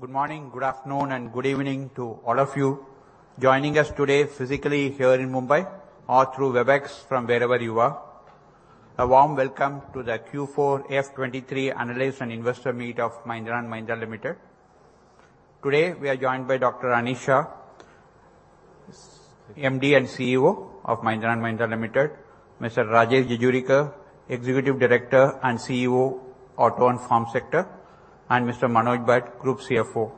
Good morning, good afternoon, and good evening to all of you joining us today, physically here in Mumbai or through Webex from wherever you are. A warm welcome to the Q4 FY23 Analyst and Investor Meet of Mahindra & Mahindra Limited. Today, we are joined by Dr. Anish Shah, MD and CEO of Mahindra & Mahindra Limited; Mr. Rajesh Jejurikar, Executive Director and CEO, Auto and Farm Sector; and Mr. Manoj Bhat, Group CFO.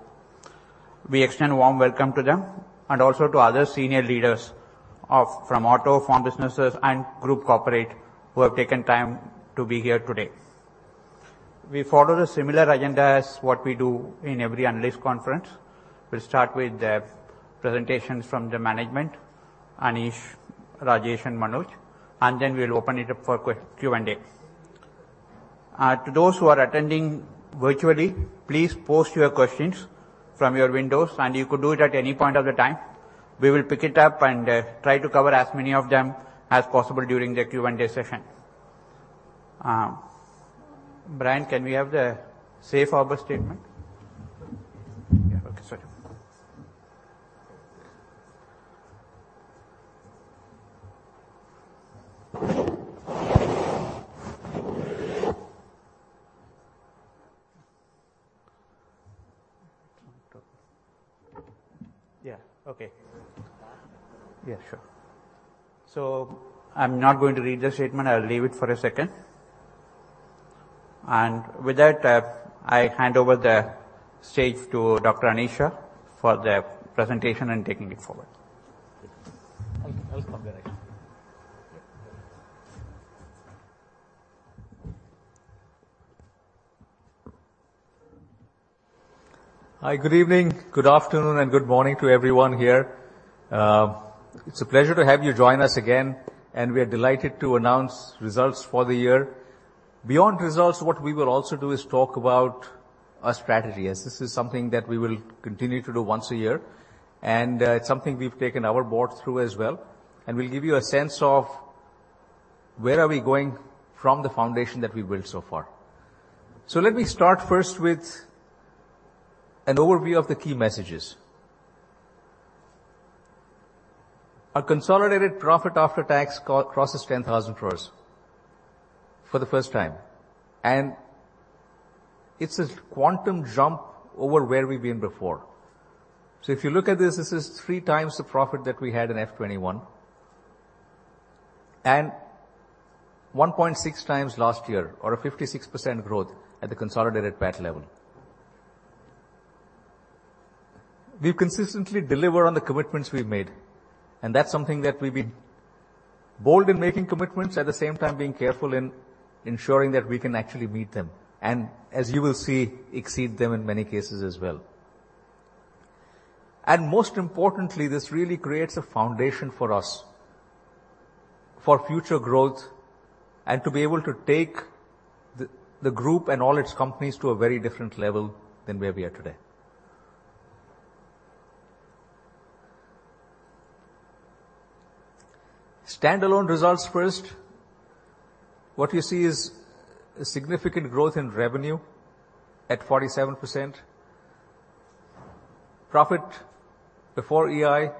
We extend a warm welcome to them and also to other senior leaders of, from Auto, Farm businesses, and Group Corporate, who have taken time to be here today. We follow the similar agenda as what we do in every analyst conference. We'll start with the presentations from the management, Anish, Rajesh, and Manoj, and then we'll open it up for Q&A. To those who are attending virtually, please post your questions from your windows, and you could do it at any point of the time. We will pick it up and try to cover as many of them as possible during the Q&A session. Viren, can we have the safe harbor statement? Yeah, okay, sorry. Yeah, okay. Last? Yeah, sure. I'm not going to read the statement. I'll leave it for a second. With that, I hand over the stage to Dr. Anish Shah for the presentation and taking it forward. I'll come there. Hi, good evening, good afternoon, and good morning to everyone here. It's a pleasure to have you join us again, and we are delighted to announce results for the year. Beyond results, what we will also do is talk about our strategy, as this is something that we will continue to do once a year, and it's something we've taken our board through as well. We'll give you a sense of where are we going from the foundation that we've built so far. Let me start first with an overview of the key messages. Our consolidated profit after tax crosses 10,000 crores for the first time, and it's a quantum jump over where we've been before. If you look at this is 3 times the profit that we had in F 21, and 1.6 times last year, or a 56% growth at the consolidated PAT level. We've consistently delivered on the commitments we've made, and that's something that we've been bold in making commitments, at the same time, being careful in ensuring that we can actually meet them, and as you will see, exceed them in many cases as well. Most importantly, this really creates a foundation for us for future growth and to be able to take the group and all its companies to a very different level than where we are today. Standalone results first. What you see is a significant growth in revenue at 47%. Profit before EI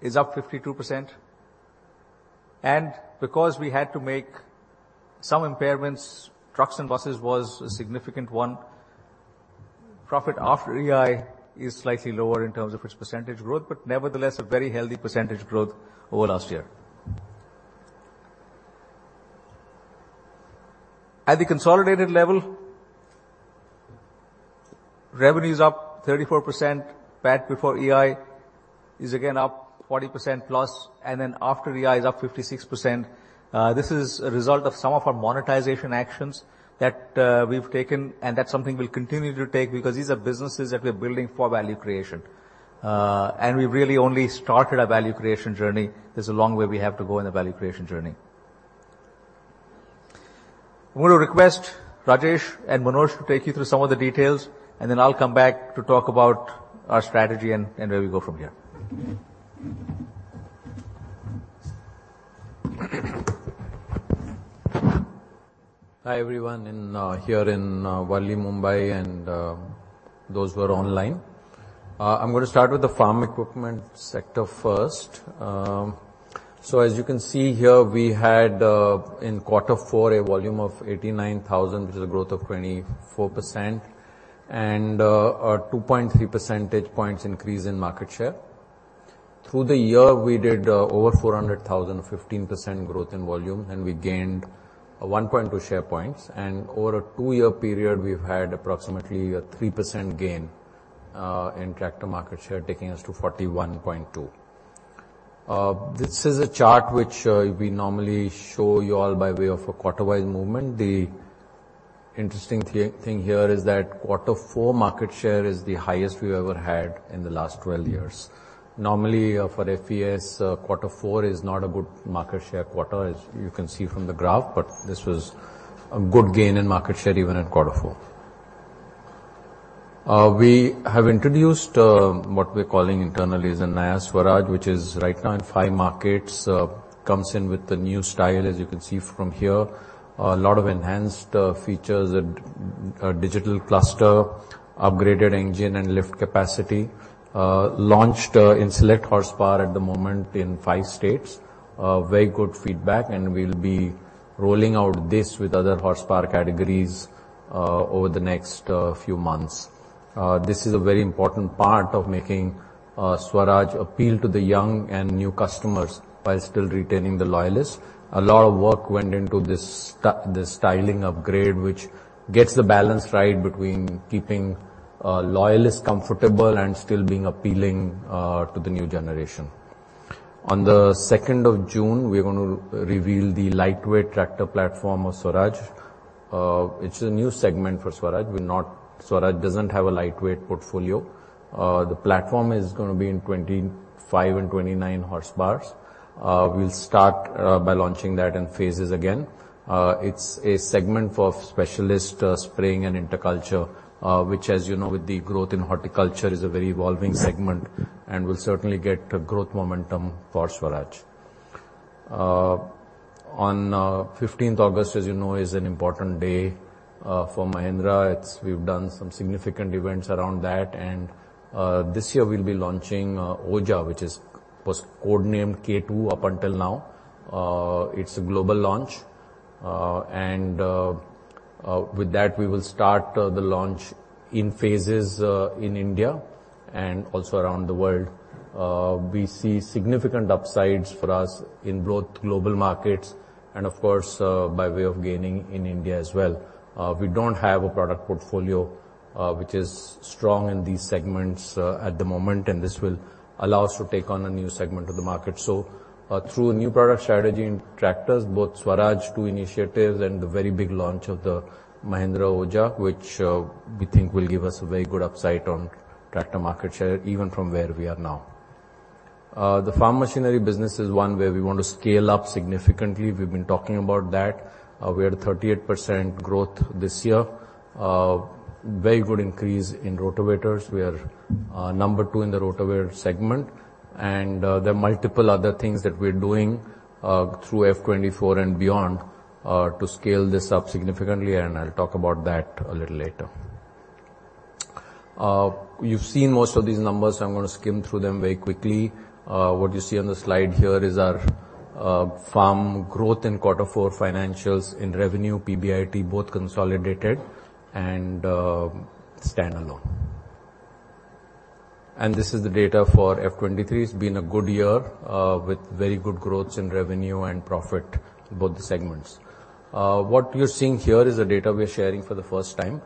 is up 52%, and because we had to make some impairments, trucks and buses was a significant one. Profit after EI is slightly lower in terms of its percentage growth, but nevertheless, a very healthy percentage growth over last year. At the consolidated level, revenue is up 34%. PAT before EI is again up 40%+, and then after EI is up 56%. This is a result of some of our monetization actions that we've taken, and that's something we'll continue to take because these are businesses that we're building for value creation. We've really only started our value creation journey. There's a long way we have to go in the value creation journey. I'm going to request Rajesh and Manoj to take you through some of the details, then I'll come back to talk about our strategy and where we go from here. Hi, everyone in here in Mumbai and those who are online. I'm going to start with the farm equipment sector first. As you can see here, we had in Q4 a volume of 89,000, which is a growth of 24%, and a 2.3 percentage points increase in market share. Through the year, we did over 400,000, 15% growth in volume, and we gained 1.2 share points. Over a two-year period, we've had approximately a 3% gain in tractor market share, taking us to 41.2. This is a chart which we normally show you all by way of a quarter-wide movement. The interesting thing here is that Q4 market share is the highest we've ever had in the last 12 years. Normally, for FES, Q4 is not a good market share quarter, as you can see from the graph. This was a good gain in market share even at Q4. We have introduced what we're calling internally as the Naya Swaraj, which is right now in 5 markets. Comes in with the new style, as you can see from here. A lot of enhanced features and digital cluster, upgraded engine, and lift capacity. Launched in select horsepower at the moment in 5 states. Very good feedback, and we'll be rolling out this with other horsepower categories over the next few months. This is a very important part of making Swaraj appeal to the young and new customers while still retaining the loyalists. A lot of work went into this styling upgrade, which gets the balance right between keeping loyalists comfortable and still being appealing to the new generation. On the 2nd of June, we are going to reveal the lightweight tractor platform of Swaraj. It's a new segment for Swaraj. Swaraj doesn't have a lightweight portfolio. The platform is gonna be in 25 and 29 horsepowers. We'll start by launching that in phases again. It's a segment for specialist spraying and interculture, which, as you know, with the growth in horticulture, is a very evolving segment and will certainly get a growth momentum for Swaraj. On 15th August, as you know, is an important day for Mahindra. We've done some significant events around that, and this year we'll be launching OJA, which was codenamed K2 up until now. It's a global launch. And with that, we will start the launch in phases, in India and also around the world. We see significant upsides for us in both global markets and, of course, by way of gaining in India as well. We don't have a product portfolio, which is strong in these segments, at the moment, and this will allow us to take on a new segment of the market. Through a new product strategy in tractors, both Swaraj, two initiatives, and the very big launch of the Mahindra OJA, which, we think will give us a very good upside on tractor market share, even from where we are now. The farm machinery business is one where we want to scale up significantly. We've been talking about that. We had a 38% growth this year. Very good increase in rotavators. We are number two in the rotavator segment, and there are multiple other things that we're doing through F '24 and beyond to scale this up significantly, and I'll talk about that a little later. You've seen most of these numbers, so I'm gonna skim through them very quickly. What you see on the slide here is our farm growth in Q4, financials in revenue, PBIT, both consolidated and standalone. This is the data for F '23. It's been a good year with very good growth in revenue and profit, both the segments. What you're seeing here is the data we are sharing for the first time.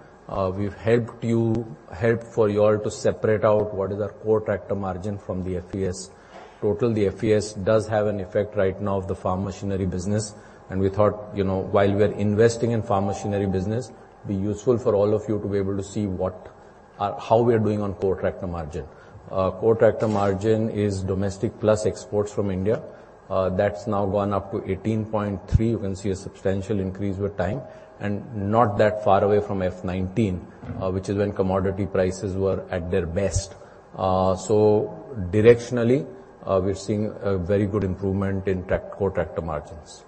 We've helped for you all to separate out what is our core tractor margin from the FES. Total, the FES does have an effect right now of the farm machinery business, and we thought, you know, while we are investing in farm machinery business, it'd be useful for all of you to be able to see how we are doing on core tractor margin. Core tractor margin is domestic plus exports from India. That's now gone up to 18.3%. You can see a substantial increase with time, and not that far away from F19, which is when commodity prices were at their best. Directionally, we're seeing a very good improvement in core tractor margins.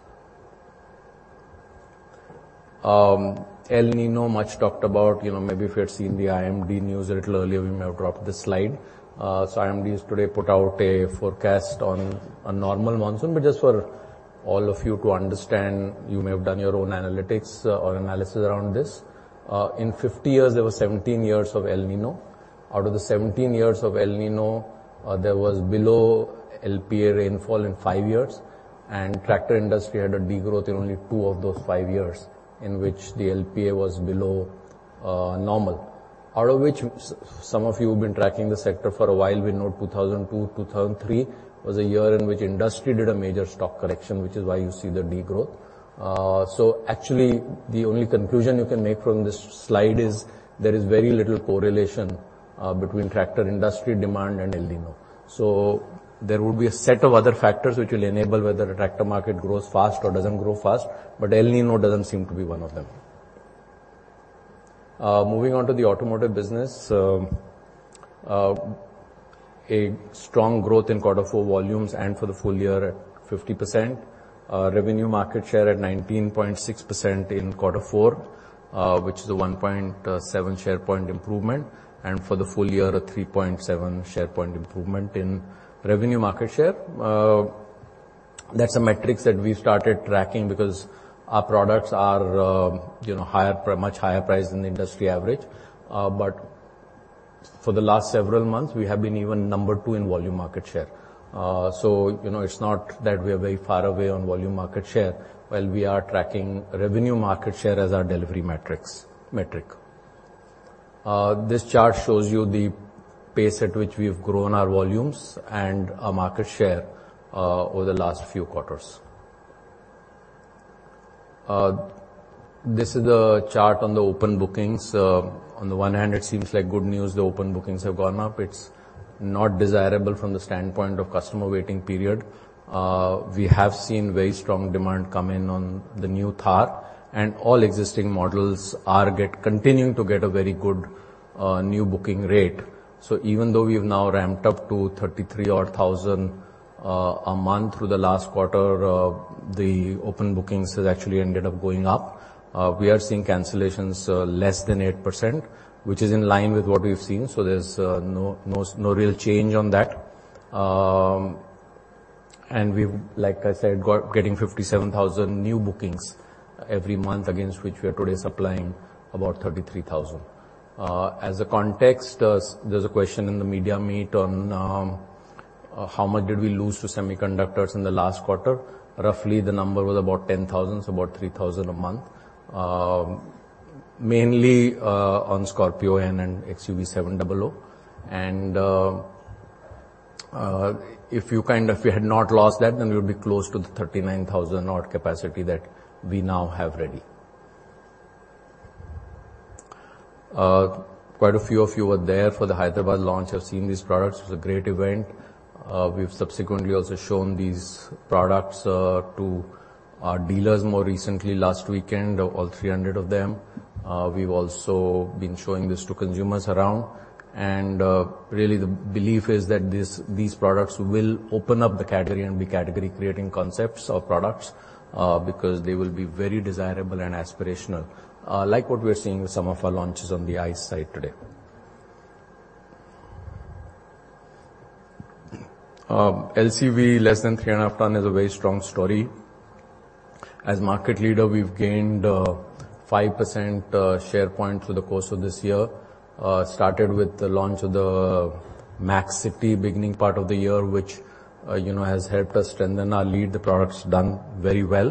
El Niño, much talked about. You know, maybe if you had seen the IMD news a little earlier, we may have dropped this slide. IMD has today put out a forecast on a normal monsoon, but just for all of you to understand, you may have done your own analytics or analysis around this. In 50 years, there were 17 years of El Niño. Out of the 17 years of El Niño, there was below LPA rainfall in 5 years, and tractor industry had a degrowth in only 2 of those 5 years in which the LPA was below normal. Out of which, some of you have been tracking the sector for a while, we know 2002, 2003, was a year in which industry did a major stock correction, which is why you see the degrowth. Actually, the only conclusion you can make from this slide is there is very little correlation between tractor industry demand and El Niño. There would be a set of other factors which will enable whether the tractor market grows fast or doesn't grow fast, but El Niño doesn't seem to be one of them. Moving on to the automotive business, a strong growth in Q4 volumes and for the full year at 50%. Revenue market share at 19.6% in Q4, which is a 1.7 share point improvement, and for the full year, a 3.7 share point improvement in revenue market share. That's a metrics that we started tracking because our products are, you know, higher, much higher price than the industry average. But for the last several months, we have been even number 2 in volume market share. So you know, it's not that we are very far away on volume market share, while we are tracking revenue market share as our delivery metrics. This chart shows you the pace at which we've grown our volumes and our market share over the last few quarters. This is the chart on the open bookings. On the one hand, it seems like good news, the open bookings have gone up. It's not desirable from the standpoint of customer waiting period. We have seen very strong demand come in on the new Thar, and all existing models are continuing to get a very good new booking rate. Even though we've now ramped up to 33 odd thousand. a month through the last quarter, the open bookings has actually ended up going up. We are seeing cancellations, less than 8%, which is in line with what we've seen, so there's no real change on that. We've, like I said, getting 57,000 new bookings every month, against which we are today supplying about 33,000. As a context, there's a question in the media meet on how much did we lose to semiconductors in the last quarter? Roughly, the number was about 10,000, so about 3,000 a month. Mainly, on Scorpio and XUV700. If you if we had not lost that, then we would be close to the 39,000 odd capacity that we now have ready. Quite a few of you were there for the Hyderabad launch, have seen these products. It was a great event. We've subsequently also shown these products to our dealers more recently, last weekend, all 300 of them. We've also been showing this to consumers around. Really, the belief is that these products will open up the category and be category-creating concepts or products, because they will be very desirable and aspirational, like what we are seeing with some of our launches on the ICE side today. LCV, less than 3.5 tonne, is a very strong story. As market leader, we've gained 5% share points through the course of this year. Started with the launch of the Maxx City, beginning part of the year, which, you know, has helped us strengthen our lead. The product's done very well.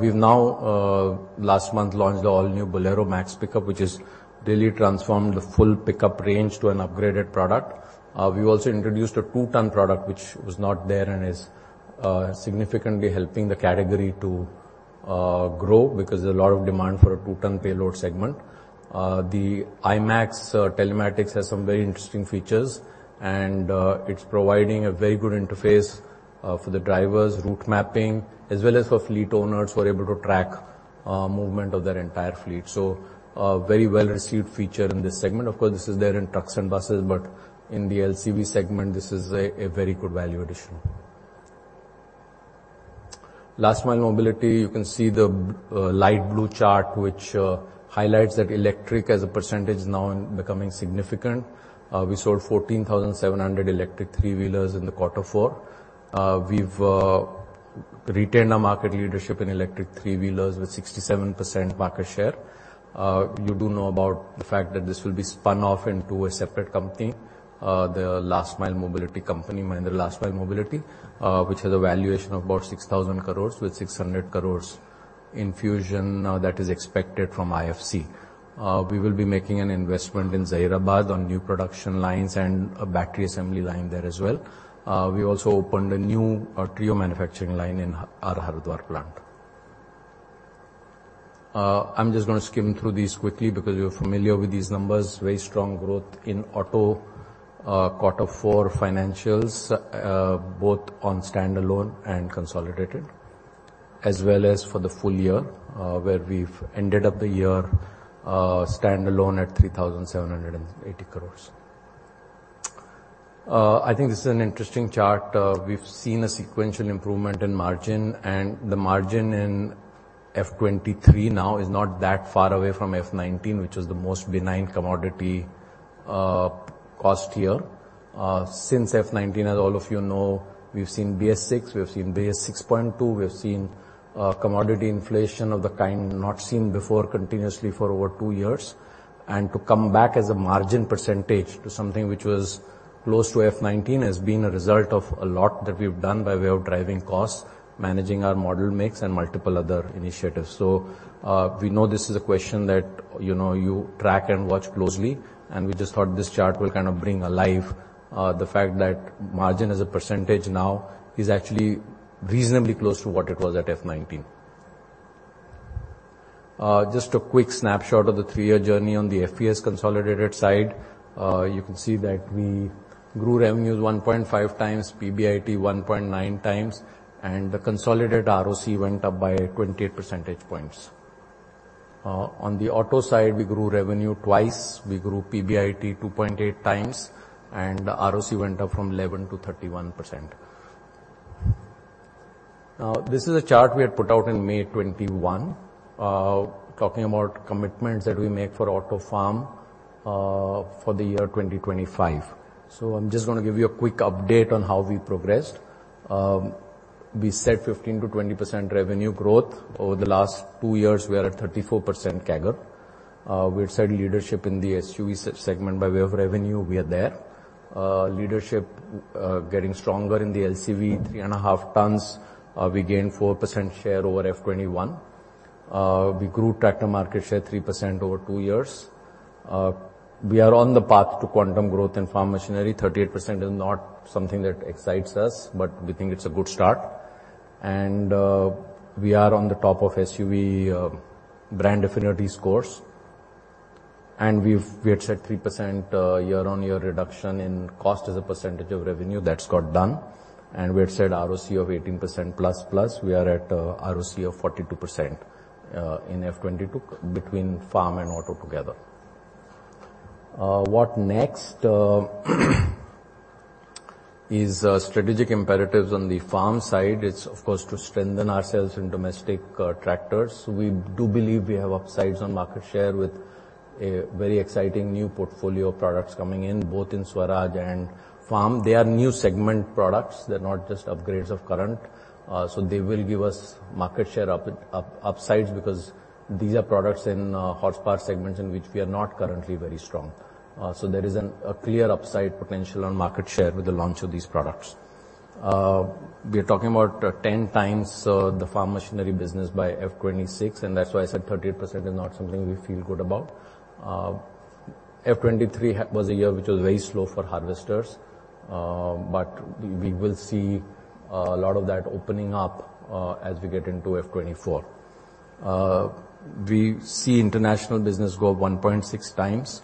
We've now, last month, launched the all-new Bolero Maxx Pik-up, which has really transformed the full pickup range to an upgraded product. We also introduced a 2-tonne product, which was not there and is significantly helping the category to grow, because there's a lot of demand for a 2-tonne payload segment. The iMAXX telematics has some very interesting features, and it's providing a very good interface for the drivers, route mapping, as well as for fleet owners, who are able to track movement of their entire fleet. A very well-received feature in this segment. Of course, this is there in trucks and buses, but in the LCV segment, this is a very good value addition. Last Mile Mobility, you can see the light blue chart, which highlights that electric as a % is now becoming significant. We sold 14,700 electric three-wheelers in the Q4. We've retained our market leadership in electric three-wheelers with 67% market share. You do know about the fact that this will be spun off into a separate company, the Last Mile Mobility company, Mahindra Last Mile Mobility, which has a valuation of about 6,000 crores, with 600 crores infusion that is expected from IFC. We will be making an investment in Hyderabad on new production lines and a battery assembly line there as well. We also opened a new Treo manufacturing line in our Haridwar plant. I'm just gonna skim through these quickly, because you're familiar with these numbers. Very strong growth in auto, Q4 financials, both on standalone and consolidated, as well as for the full year, where we've ended up the year, standalone at 3,780 crores. I think this is an interesting chart. We've seen a sequential improvement in margin, and the margin in F23 now is not that far away from F19, which is the most benign commodity, cost year. Since F19, as all of you know, we've seen BS-VI, we've seen BS-VI.2, we've seen, commodity inflation of the kind not seen before, continuously for over 2 years. To come back as a margin percentage to something which was close to F nineteen has been a result of a lot that we've done by way of driving costs, managing our model mix, and multiple other initiatives. We know this is a question that, you know, you track and watch closely, and we just thought this chart will kind of bring alive, the fact that margin, as a percentage now, is actually reasonably close to what it was at F-19. Just a quick snapshot of the three-year journey on the FES consolidated side. You can see that we grew revenues 1.5 times, PBIT 1.9 times, and the consolidated ROC went up by 28 percentage points. On the auto side, we grew revenue twice, we grew PBIT 2.8 times, and ROC went up from 11%-31%. This is a chart we had put out in May 2021, talking about commitments that we make for Auto & Farm, for the year 2025. So I'm just gonna give you a quick update on how we progressed. We said 15%-20% revenue growth. Over the last 2 years, we are at 34% CAGR. We had said leadership in the SUV segment. By way of revenue, we are there. Leadership, getting stronger in the LCV 3.5 tonnes. We gained 4% share over F 2021. We grew tractor market share 3% over 2 years. We are on the path to quantum growth in farm machinery. 38% is not something that excites us, but we think it's a good start. We are on the top of SUV brand affinity scores, and we had said 3% year-on-year reduction in cost as a percentage of revenue. That's got done. We had said ROC of 18% plus. We are at ROC of 42% in F22, between farm and auto together. What next? Is strategic imperatives on the farm side. It's, of course, to strengthen ourselves in domestic tractors. We do believe we have upsides on market share, with a very exciting new portfolio of products coming in, both in Swaraj and farm. They are new segment products. They're not just upgrades of current. They will give us market share upsides, because these are products in horsepower segments, in which we are not currently very strong. There is a clear upside potential on market share with the launch of these products. We are talking about 10 times the farm machinery business by F26. That's why I said 38% is not something we feel good about. F23 was a year which was very slow for harvesters. We will see a lot of that opening up as we get into F24. We see international business grow 1.6 times.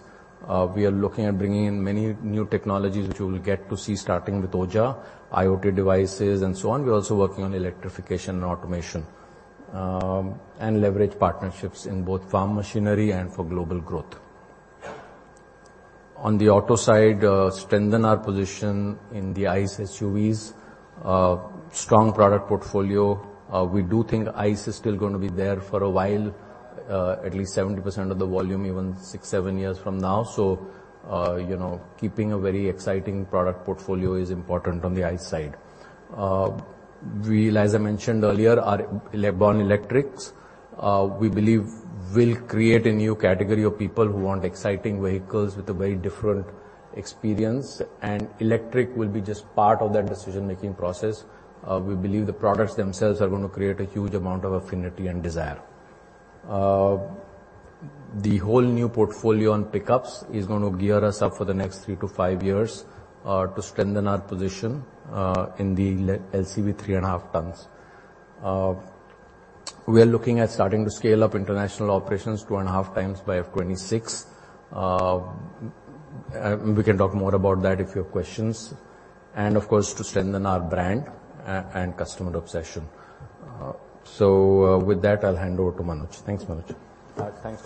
We are looking at bringing in many new technologies, which you will get to see, starting with OJA, IoT devices, and so on. We're also working on electrification and automation, and leverage partnerships in both farm machinery and for global growth. On the auto side, strengthen our position in the ICE SUVs. Strong product portfolio. We do think ICE is still gonna be there for a while, at least 70% of the volume, even six, seven years from now. You know, keeping a very exciting product portfolio is important on the ICE side. We, as I mentioned earlier, are Born Electrics. We believe we'll create a new category of people who want exciting vehicles with a very different experience, and electric will be just part of that decision-making process. We believe the products themselves are going to create a huge amount of affinity and desire. The whole new portfolio on pickups is going to gear us up for the next 3-5 years, to strengthen our position, in the LCV 3.5 tons. We are looking at starting to scale up international operations 2.5 times by F26. We can talk more about that if you have questions. Of course, to strengthen our brand and customer obsession. With that, I'll hand over to Manoj. Thanks, Manoj. Thanks,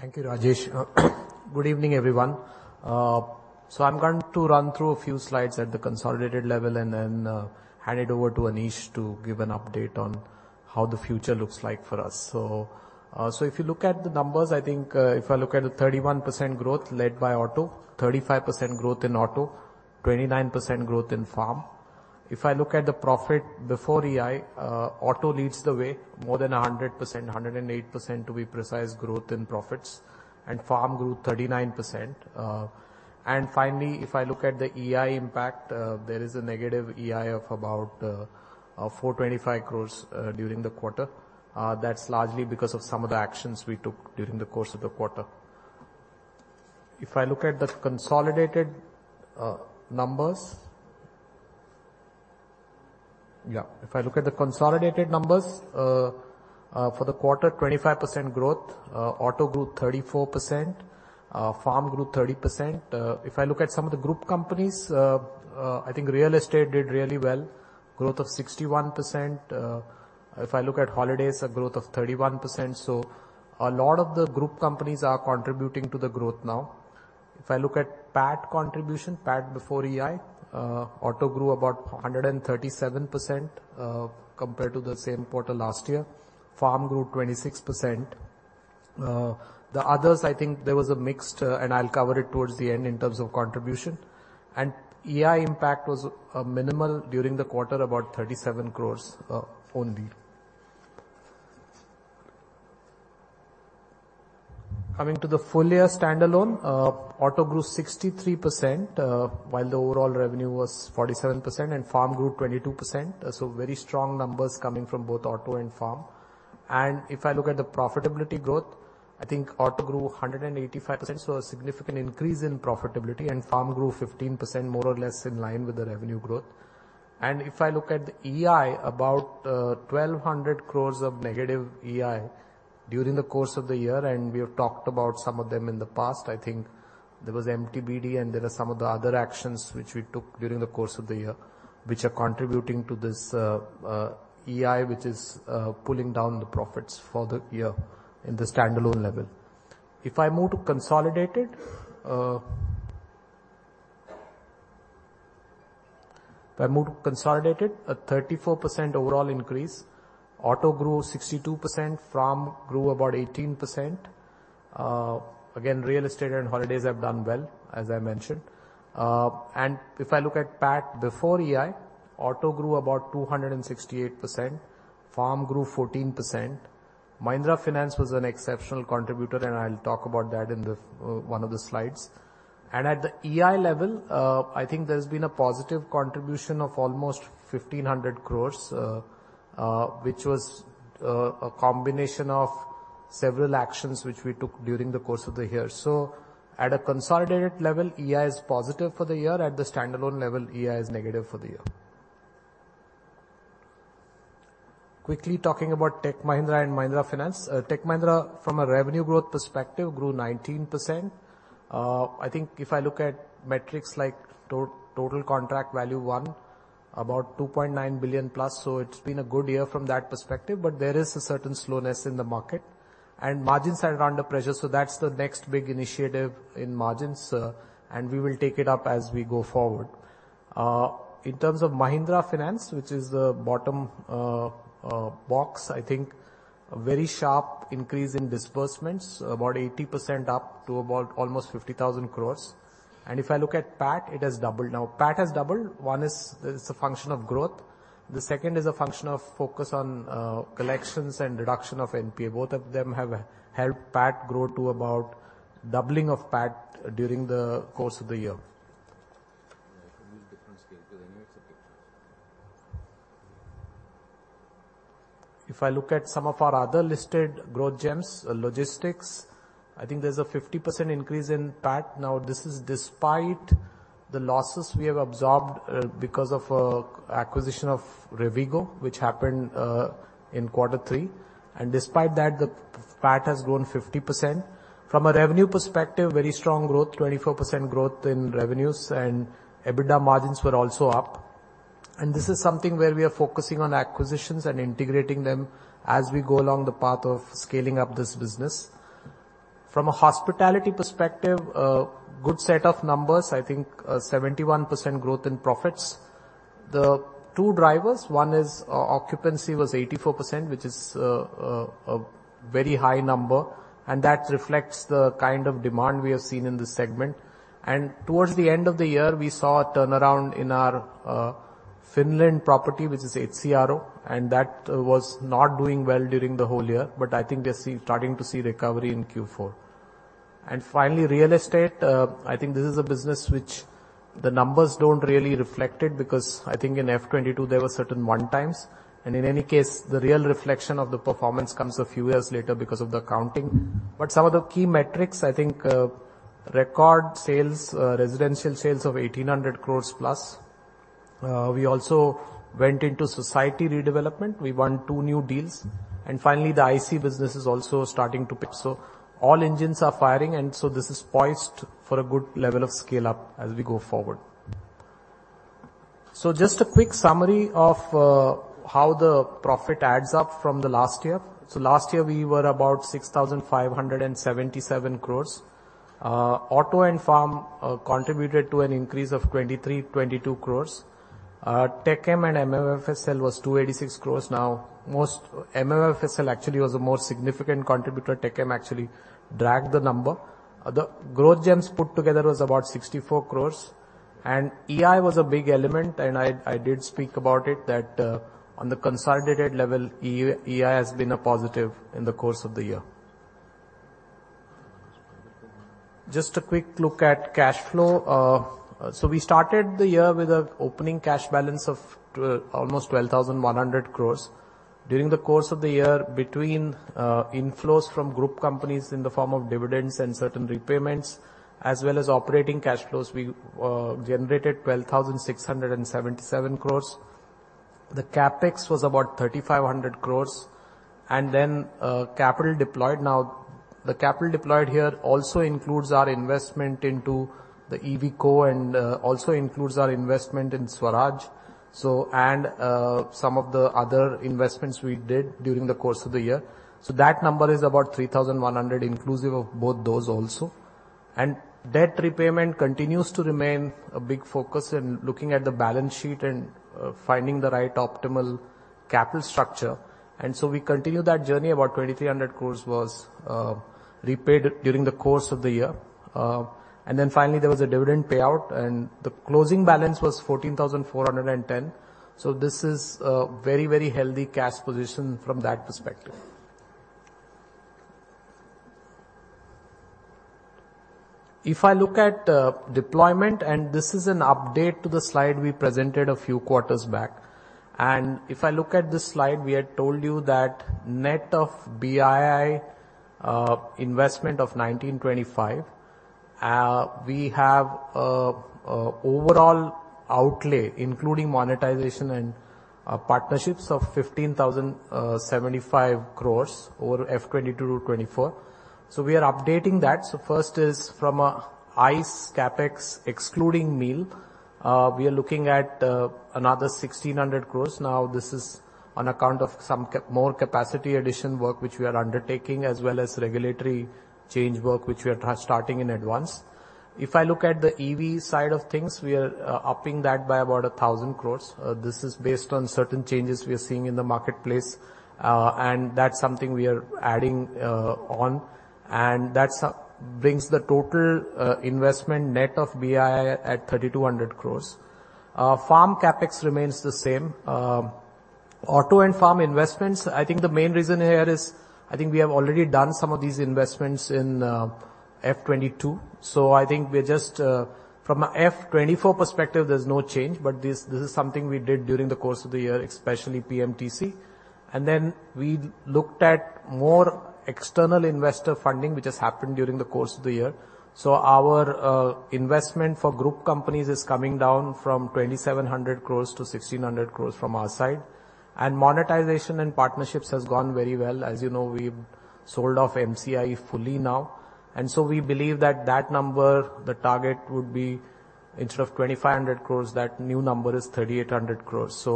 Rajesh. Thank you, Rajesh. Good evening, everyone. I'm going to run through a few slides at the consolidated level and then hand it over to Anish to give an update on how the future looks like for us. If you look at the numbers, I think, if I look at the 31% growth, led by auto, 35% growth in auto, 29% growth in farm. If I look at the profit before EI, auto leads the way, more than 100%, 108%, to be precise, growth in profits, and farm grew 39%. Finally, if I look at the EI impact, there is a negative EI of about 425 crores during the quarter. That's largely because of some of the actions we took during the course of the quarter. If I look at the consolidated numbers, for the quarter, 25% growth, auto grew 34%, farm grew 30%. If I look at some of the group companies, I think real estate did really well, growth of 61%. If I look at holidays, a growth of 31%. A lot of the group companies are contributing to the growth now. If I look at PAT contribution, PAT before EI, auto grew about 137% compared to the same quarter last year. Farm grew 26%. The others, I think there was a mixed. I'll cover it towards the end in terms of contribution. EI impact was minimal during the quarter, about 37 crores only. Coming to the full year standalone, auto grew 63%, while the overall revenue was 47%, and farm grew 22%. Very strong numbers coming from both auto and farm. If I look at the profitability growth, I think auto grew 185%, a significant increase in profitability, and farm grew 15%, more or less in line with the revenue growth. If I look at the EI, about 1,200 crores of negative EI during the course of the year, and we have talked about some of them in the past. I think there was MTBD, and there are some of the other actions which we took during the course of the year, which are contributing to this, EI, which is pulling down the profits for the year in the standalone level. If I move to consolidated, a 34% overall increase. Auto grew 62%, farm grew about 18%. Again, real estate and holidays have done well, as I mentioned. If I look at PAT before EI, auto grew about 268%, farm grew 14%. Mahindra Finance was an exceptional contributor, and I'll talk about that in the one of the slides. At the EI level, there's been a positive contribution of almost 1,500 crores, which was a combination of several actions which we took during the course of the year. At a consolidated level, EI is positive for the year. At the standalone level, EI is negative for the year. Quickly talking about Tech Mahindra and Mahindra Finance. Tech Mahindra, from a revenue growth perspective, grew 19%. If I look at metrics like total contract value won, about $2.9 billion+. It's been a good year from that perspective, but there is a certain slowness in the market. Margins are under pressure, that's the next big initiative in margins, and we will take it up as we go forward. In terms of Mahindra Finance, which is the bottom box, I think a very sharp increase in disbursements, about 80% up to about almost 50,000 crores. If I look at PAT, it has doubled. Now, PAT has doubled. One is, it's a function of growth, the second is a function of focus on collections and reduction of NPA. Both of them have helped PAT grow to about doubling of PAT during the course of the year. Yeah, you need a different scale because I know it's a picture. If I look at some of our other listed Growth Gems, Logistics, I think there's a 50% increase in PAT. This is despite the losses we have absorbed because of acquisition of Rivigo, which happened in Q3. Despite that, the PAT has grown 50%. From a revenue perspective, very strong growth, 24% growth in revenues, and EBITDA margins were also up. This is something where we are focusing on acquisitions and integrating them as we go along the path of scaling up this business. From a hospitality perspective, a good set of numbers, I think a 71% growth in profits. The two drivers, one is, occupancy was 84%, which is a very high number, and that reflects the kind of demand we have seen in this segment. Towards the end of the year, we saw a turnaround in our Finland property, which is HCRO, and that was not doing well during the whole year, but I think they're starting to see recovery in Q4. Finally, real estate. I think this is a business which the numbers don't really reflect it, because I think in F '22, there were certain one-times, and in any case, the real reflection of the performance comes a few years later because of the accounting. Some of the key metrics, I think, record sales, residential sales of 1,800 crores plus. We also went into society redevelopment. We won 2 new deals. Finally, the IC business is also starting to pick. All engines are firing, this is poised for a good level of scale-up as we go forward. Just a quick summary of how the profit adds up from the last year. Last year, we were about 6,577 crores. Auto and farm contributed to an increase of 23, 22 crores. TechM and MMFSL was 286 crores. Most MMFSL actually was a more significant contributor. TechM actually dragged the number. The Growth Gems put together was about 64 crores, and EI was a big element, and I did speak about it, that on the consolidated level, EI has been a positive in the course of the year. A quick look at cash flow. We started the year with an opening cash balance of almost 12,100 crores. During the course of the year, between inflows from group companies in the form of dividends and certain repayments, as well as operating cash flows, we generated 12,677 crores. The CapEx was about 3,500 crores. Capital deployed. Now, the capital deployed here also includes our investment into the EV Co. and also includes our investment in Swaraj, some of the other investments we did during the course of the year. That number is about 3,100 crores, inclusive of both those also. Debt repayment continues to remain a big focus in looking at the balance sheet and finding the right optimal capital structure. We continue that journey. About 2,300 crores was repaid during the course of the year. Then finally, there was a dividend payout, and the closing balance was 14,410. This is a very, very healthy cash position from that perspective. If I look at deployment, this is an update to the slide we presented a few quarters back. If I look at this slide, we had told you that net of BII investment of 1,925, we have overall outlay, including monetization and partnerships of 15,075 crores over F 2022 to 2024. We are updating that. First is from ICE CapEx, excluding mill. We are looking at another 1,600 crores. Now, this is on account of some more capacity addition work, which we are undertaking, as well as regulatory change work, which we are starting in advance. If I look at the EV side of things, we are upping that by about 1,000 crores. This is based on certain changes we are seeing in the marketplace, and that's something we are adding on, and that brings the total investment net of BII at 3,200 crores. Farm CapEx remains the same. Auto and farm investments, I think the main reason here is, I think we have already done some of these investments in F 2022. From a F 2024 perspective, there's no change, but this is something we did during the course of the year, especially PMTC. We looked at more external investor funding, which has happened during the course of the year. Our investment for group companies is coming down from 2,700 crores to 1,600 crores from our side. Monetization and partnerships has gone very well. As you know, we've sold off MCI fully now. We believe that that number, the target would be instead of 2,500 crores, that new number is 3,800 crores.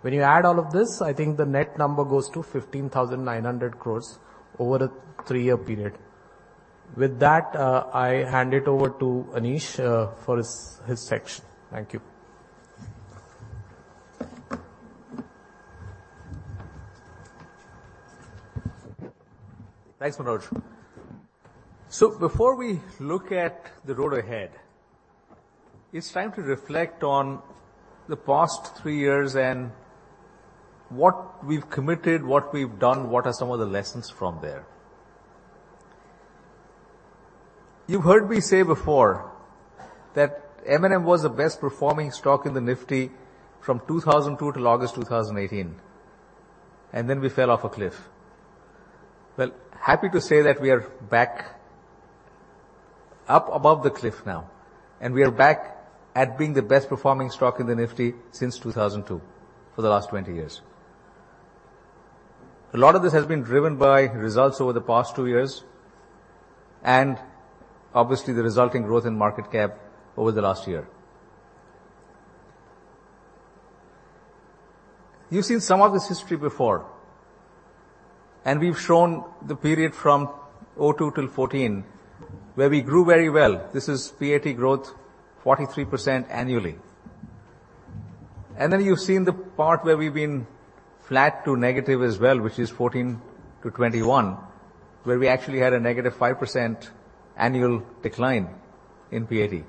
When you add all of this, I think the net number goes to 15,900 crores over a 3-year period. With that, I hand it over to Anish for his section. Thank you. Thanks, Manoj. Before we look at the road ahead, it's time to reflect on the past 3 years and what we've committed, what we've done, what are some of the lessons from there? You've heard me say before that M&M was the best-performing stock in the Nifty from 2002 till August 2018, and then we fell off a cliff. Happy to say that we are back up above the cliff now, and we are back at being the best-performing stock in the Nifty since 2002, for the last 20 years. A lot of this has been driven by results over the past 2 years, and obviously, the resulting growth in market cap over the last year. You've seen some of this history before, and we've shown the period from 2002 till 2014, where we grew very well. This is PAT growth, 43% annually. You've seen the part where we've been flat to negative as well, which is 2014 to 2021, where we actually had a negative 5% annual decline in PAT.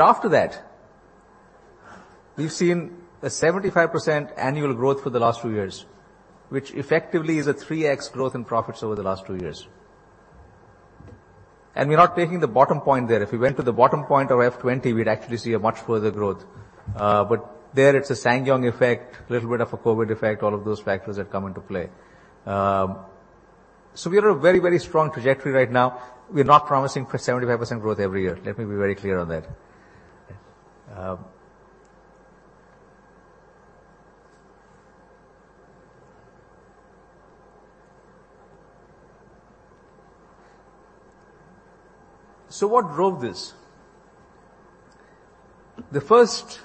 After that, we've seen a 75% annual growth for the last two years, which effectively is a 3x growth in profits over the last two years. We're not taking the bottom point there. If we went to the bottom point of F20, we'd actually see a much further growth. There, it's a SsangYong effect, a little bit of a COVID effect, all of those factors have come into play. We are at a very, very strong trajectory right now. We're not promising for 75% growth every year. Let me be very clear on that. What drove this? The first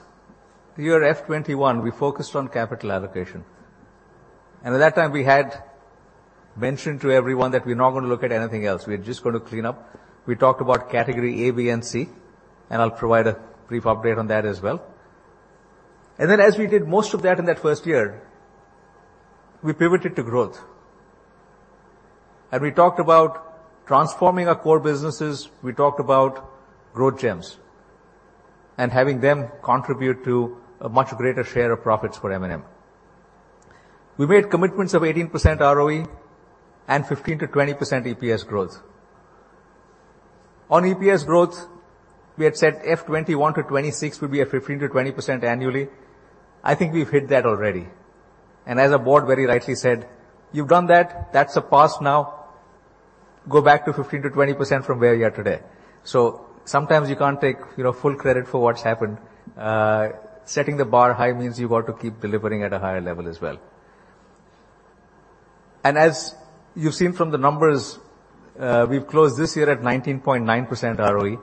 year, F 21, we focused on capital allocation, and at that time, we had mentioned to everyone that we're not going to look at anything else. We're just going to clean up. We talked about category A, B, and C, and I'll provide a brief update on that as well. Then, as we did most of that in that first year, we pivoted to growth. We talked about transforming our core businesses, we talked about Growth Gems and having them contribute to a much greater share of profits for M&M. We made commitments of 18% ROE and 15%-20% EPS growth. On EPS growth, we had said F 21-26 will be at 15%-20% annually. I think we've hit that already, and as the board very rightly said, "You've done that. That's a pass now. Go back to 15%-20% from where you are today." Sometimes you can't take, you know, full credit for what's happened. Setting the bar high means you've got to keep delivering at a higher level as well. As you've seen from the numbers, we've closed this year at 19.9% ROE.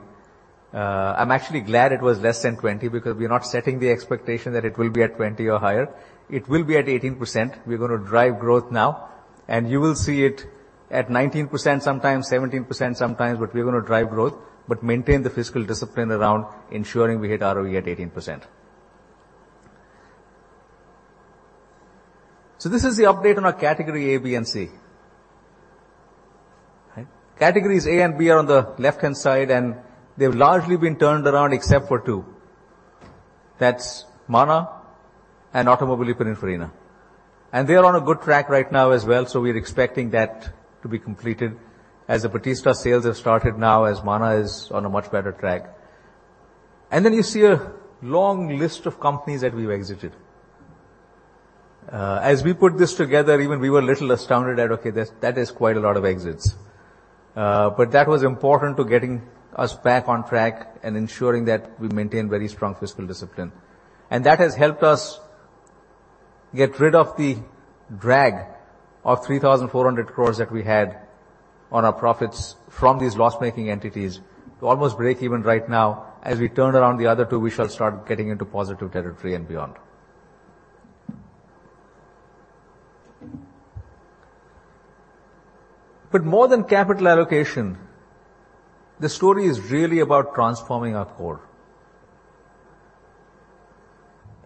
I'm actually glad it was less than 20 because we're not setting the expectation that it will be at 20 or higher. It will be at 18%. We're going to drive growth now, you will see it at 19% sometimes, 17% sometimes, but we're going to drive growth, but maintain the fiscal discipline around ensuring we hit ROE at 18%. This is the update on our category A, B, and C. Right? Categories A and B are on the left-hand side, they've largely been turned around except for two. That's MANA and Automobili Pininfarina, they are on a good track right now as well, we're expecting that to be completed as the Battista sales have started now, as MANA is on a much better track. You see a long list of companies that we've exited. As we put this together, even we were a little astounded at, okay, that is quite a lot of exits. That was important to getting us back on track and ensuring that we maintain very strong fiscal discipline. That has helped us get rid of the drag of 3,400 crores that we had on our profits from these loss-making entities to almost break even right now. As we turn around the other two, we shall start getting into positive territory and beyond. More than capital allocation, the story is really about transforming our core.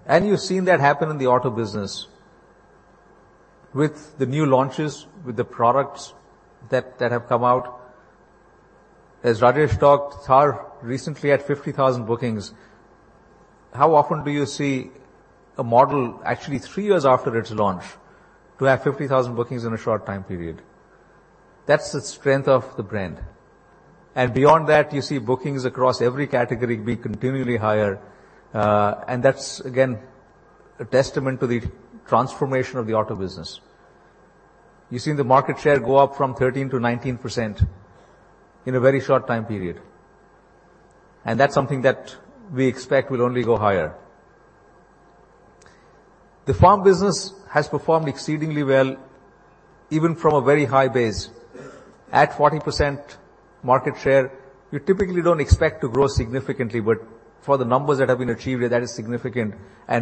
You've seen that happen in the Auto business with the new launches, with the products that have come out. As Rajesh talked, Thar recently had 50,000 bookings. How often do you see a model, actually 3 years after its launch, to have 50,000 bookings in a short time period? That's the strength of the brand. Beyond that, you see bookings across every category be continually higher, and that's again, a testament to the transformation of the Auto business. You've seen the market share go up from 13%-19% in a very short time period. That's something that we expect will only go higher. The farm business has performed exceedingly well, even from a very high base. At 40% market share, you typically don't expect to grow significantly, but for the numbers that have been achieved there, that is significant.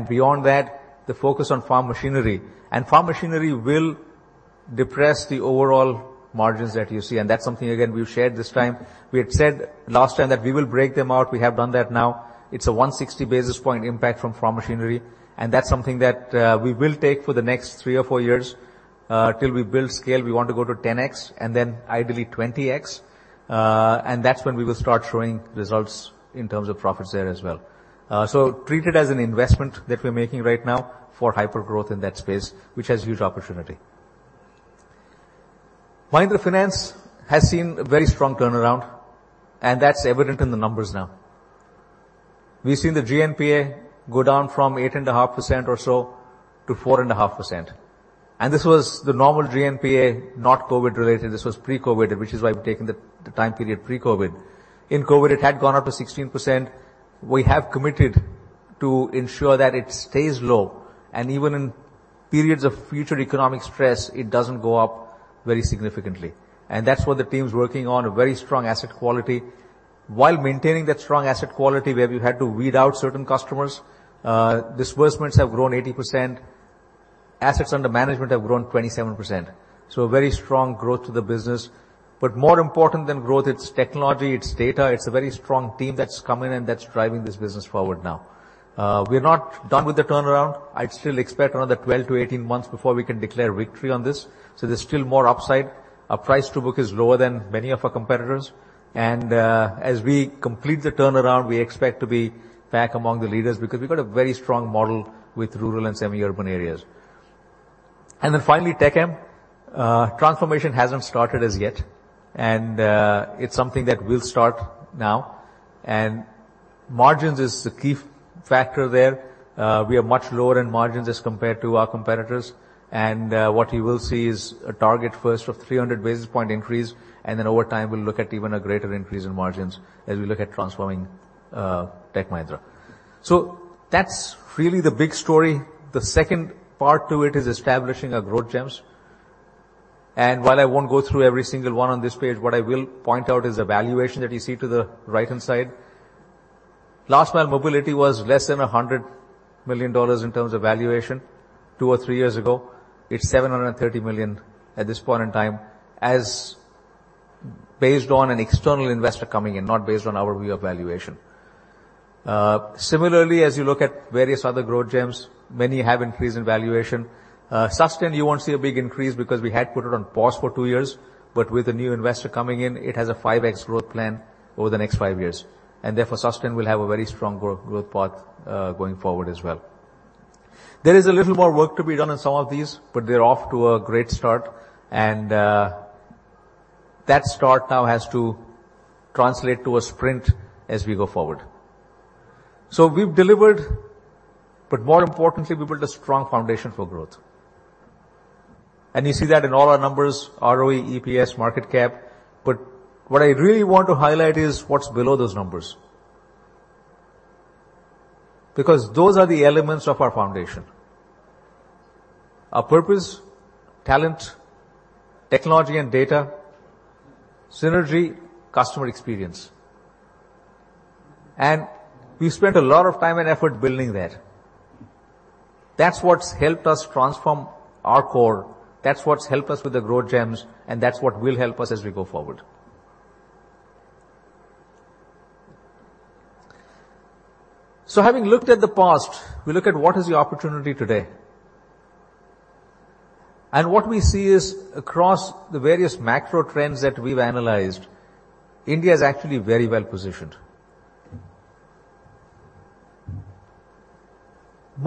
Beyond that, the focus on farm machinery. Farm machinery will depress the overall margins that you see, and that's something, again, we've shared this time. We had said last time that we will break them out. We have done that now. It's a 160 basis point impact from farm machinery, and that's something that we will take for the next 3 or 4 years till we build scale. We want to go to 10x and then ideally 20x, that's when we will start showing results in terms of profits there as well. Treat it as an investment that we're making right now for hyper growth in that space, which has huge opportunity. Mahindra Finance has seen a very strong turnaround, that's evident in the numbers now. We've seen the GNPA go down from 8.5% or so to 4.5%, and this was the normal GNPA, not COVID-related. This was pre-COVID, which is why we've taken the time period pre-COVID. In COVID, it had gone up to 16%. We have committed to ensure that it stays low, and even in periods of future economic stress, it doesn't go up very significantly. That's what the team's working on, a very strong asset quality. While maintaining that strong asset quality, where we've had to weed out certain customers, disbursements have grown 80%, assets under management have grown 27%, a very strong growth to the business. More important than growth, it's technology, it's data, it's a very strong team that's come in and that's driving this business forward now. We're not done with the turnaround. I'd still expect around 12 to 18 months before we can declare victory on this, there's still more upside. Our price to book is lower than many of our competitors, as we complete the turnaround, we expect to be back among the leaders because we've got a very strong model with rural and semi-urban areas. Finally, TechM. Transformation hasn't started as yet, it's something that will start now. Margins is the key factor there. We are much lower in margins as compared to our competitors, and what you will see is a target first of 300 basis point increase, and then over time, we'll look at even a greater increase in margins as we look at transforming Tech Mahindra. That's really the big story. The second part to it is establishing our Growth Gems. While I won't go through every single one on this page, what I will point out is the valuation that you see to the right-hand side. Last Mile Mobility was less than $100 million in terms of valuation two or three years ago. It's $730 million at this point in time, as based on an external investor coming in, not based on our view of valuation. Similarly, as you look at various other Growth Gems, many have increased in valuation. Susten, you won't see a big increase because we had put it on pause for 2 years, but with a new investor coming in, it has a 5x growth plan over the next 5 years. Therefore, Susten will have a very strong growth path going forward as well. There is a little more work to be done on some of these, but they're off to a great start, and that start now has to translate to a sprint as we go forward. We've delivered, but more importantly, we built a strong foundation for growth. You see that in all our numbers, ROE, EPS, market cap. What I really want to highlight is what's below those numbers. Because those are the elements of our foundation: our purpose, talent, technology and data, synergy, customer experience. We spent a lot of time and effort building that. That's what's helped us transform our core, that's what's helped us with the Growth Gems, and that's what will help us as we go forward. Having looked at the past, we look at what is the opportunity today. What we see is across the various macro trends that we've analyzed, India is actually very well-positioned.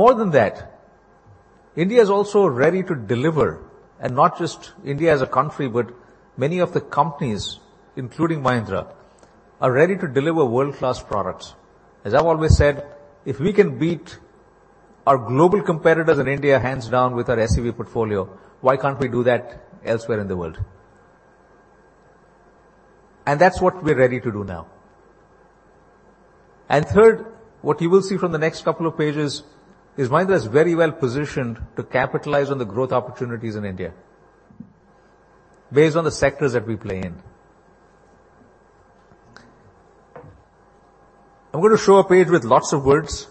More than that, India is also ready to deliver, and not just India as a country, but many of the companies, including Mahindra, are ready to deliver world-class products. As I've always said, "If we can beat our global competitors in India, hands down, with our SUV portfolio, why can't we do that elsewhere in the world?" That's what we're ready to do now. Third, what you will see from the next couple of pages is Mahindra is very well-positioned to capitalize on the growth opportunities in India based on the sectors that we play in. I'm going to show a page with lots of words,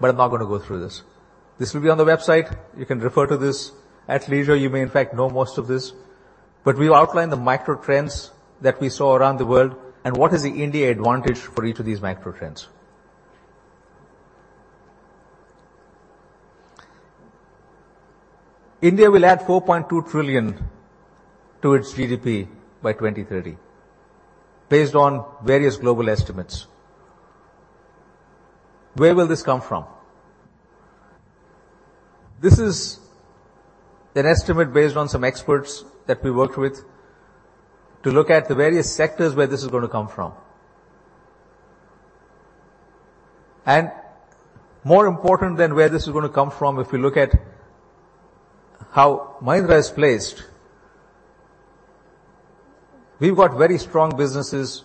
but I'm not going to go through this. This will be on the website. You can refer to this at leisure. You may, in fact, know most of this. We've outlined the macro trends that we saw around the world and what is the India advantage for each of these macro trends. India will add $4.2 trillion to its GDP by 2030, based on various global estimates. Where will this come from? This is an estimate based on some experts that we worked with to look at the various sectors where this is going to come from. More important than where this is going to come from, if we look at how Mahindra is placed. We've got very strong businesses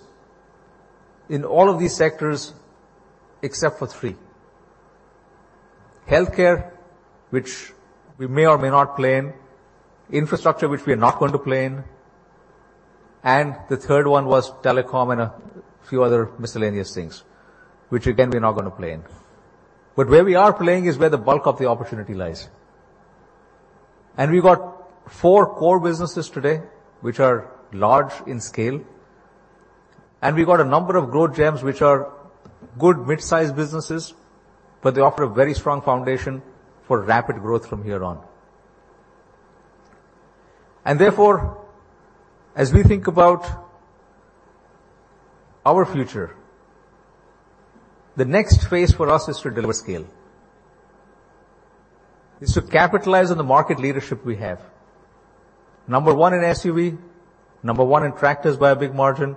in all of these sectors, except for 3: healthcare, which we may or may not play in. Infrastructure, which we are not going to play in. The third one was telecom and a few other miscellaneous things, which again, we're not gonna play in. Where we are playing is where the bulk of the opportunity lies. We've got 4 core businesses today, which are large in scale, and we've got a number of Growth Gems, which are good mid-sized businesses, but they offer a very strong foundation for rapid growth from here on. Therefore, as we think about our future, the next phase for us is to deliver scale. It's to capitalize on the market leadership we have. Number one in SUV, number one in tractors by a big margin,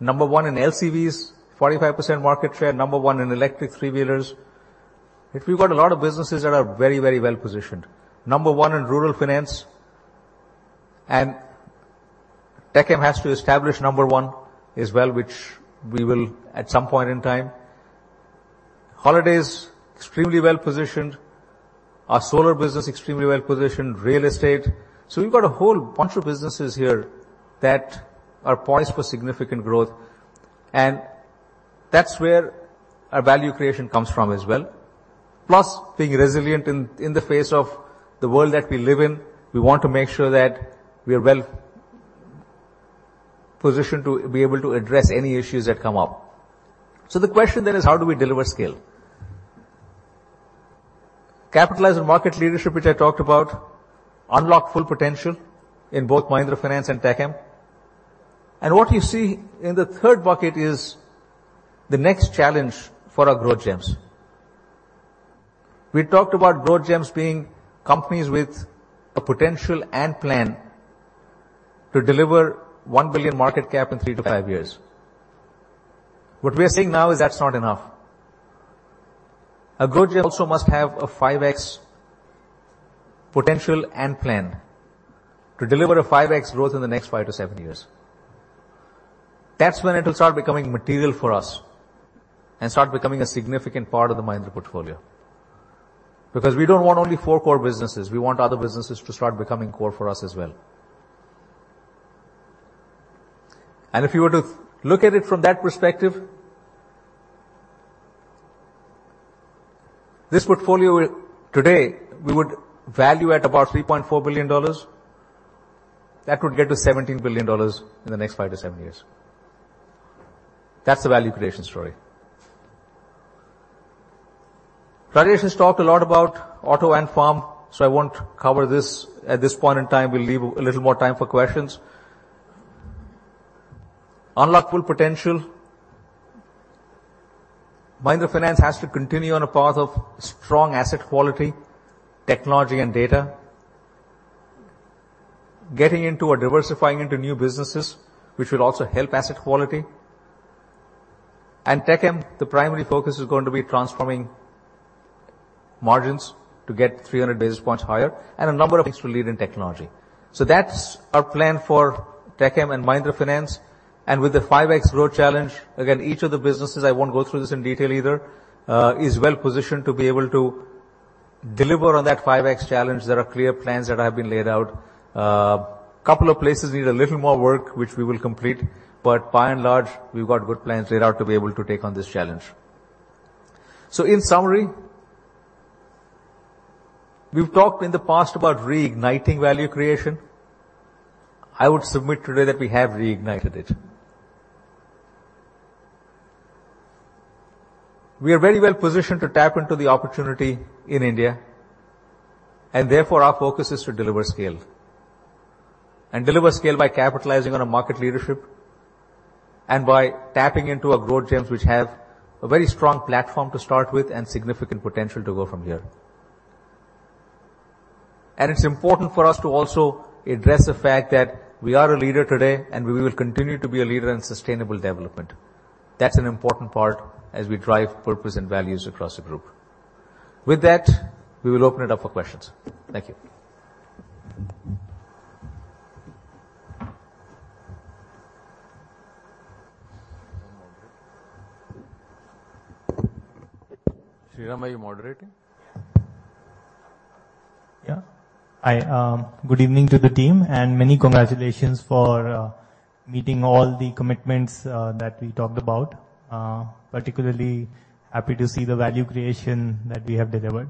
number one in LCVs, 45% market share, number one in electric three-wheelers. We've got a lot of businesses that are very, very well positioned. Number one in rural finance. TechM has to establish number one as well, which we will at some point in time. Holidays, extremely well-positioned. Our solar business, extremely well-positioned. Real estate. We've got a whole bunch of businesses here that are poised for significant growth, and that's where our value creation comes from as well. Being resilient in the face of the world that we live in, we want to make sure that we are well-positioned to be able to address any issues that come up. The question then is: How do we deliver scale? Capitalize on market leadership, which I talked about, unlock full potential in both Mahindra Finance and TechM. What you see in the third bucket is the next challenge for our Growth Gems. We talked about Growth Gems being companies with a potential and plan to deliver 1 billion market cap in 3-5 years. What we are saying now is that's not enough. A Growth Gem also must have a 5x potential and plan to deliver a 5x growth in the next 5-7 years. That's when it will start becoming material for us and start becoming a significant part of the Mahindra portfolio. We don't want only 4 core businesses, we want other businesses to start becoming core for us as well. If you were to look at it from that perspective, this portfolio today, we would value at about $3.4 billion. That would get to $17 billion in the next 5-7 years. That's the value creation story. Rajesh has talked a lot about Auto and Farm, so I won't cover this at this point in time. We'll leave a little more time for questions. Unlock full potential. Mahindra Finance has to continue on a path of strong asset quality, technology and data. Getting into or diversifying into new businesses, which will also help asset quality. TechM, the primary focus is going to be transforming margins to get 300 basis points higher, and a number of things to lead in technology. That's our plan for TechM and Mahindra Finance. With the 5x growth challenge, again, each of the businesses, I won't go through this in detail either, is well positioned to be able to deliver on that 5x challenge. There are clear plans that have been laid out. A couple of places need a little more work, which we will complete, but by and large, we've got good plans laid out to be able to take on this challenge. In summary, we've talked in the past about reigniting value creation. I would submit today that we have reignited it. We are very well positioned to tap into the opportunity in India, and therefore, our focus is to deliver scale. Deliver scale by capitalizing on our market leadership and by tapping into our Growth Gems, which have a very strong platform to start with and significant potential to go from here. It's important for us to also address the fact that we are a leader today, and we will continue to be a leader in sustainable development. That's an important part as we drive purpose and values across the group. With that, we will open it up for questions. Thank you. Sriram, are you moderating? Yeah. I, Good evening to the team, many congratulations for meeting all the commitments that we talked about. Particularly happy to see the value creation that we have delivered.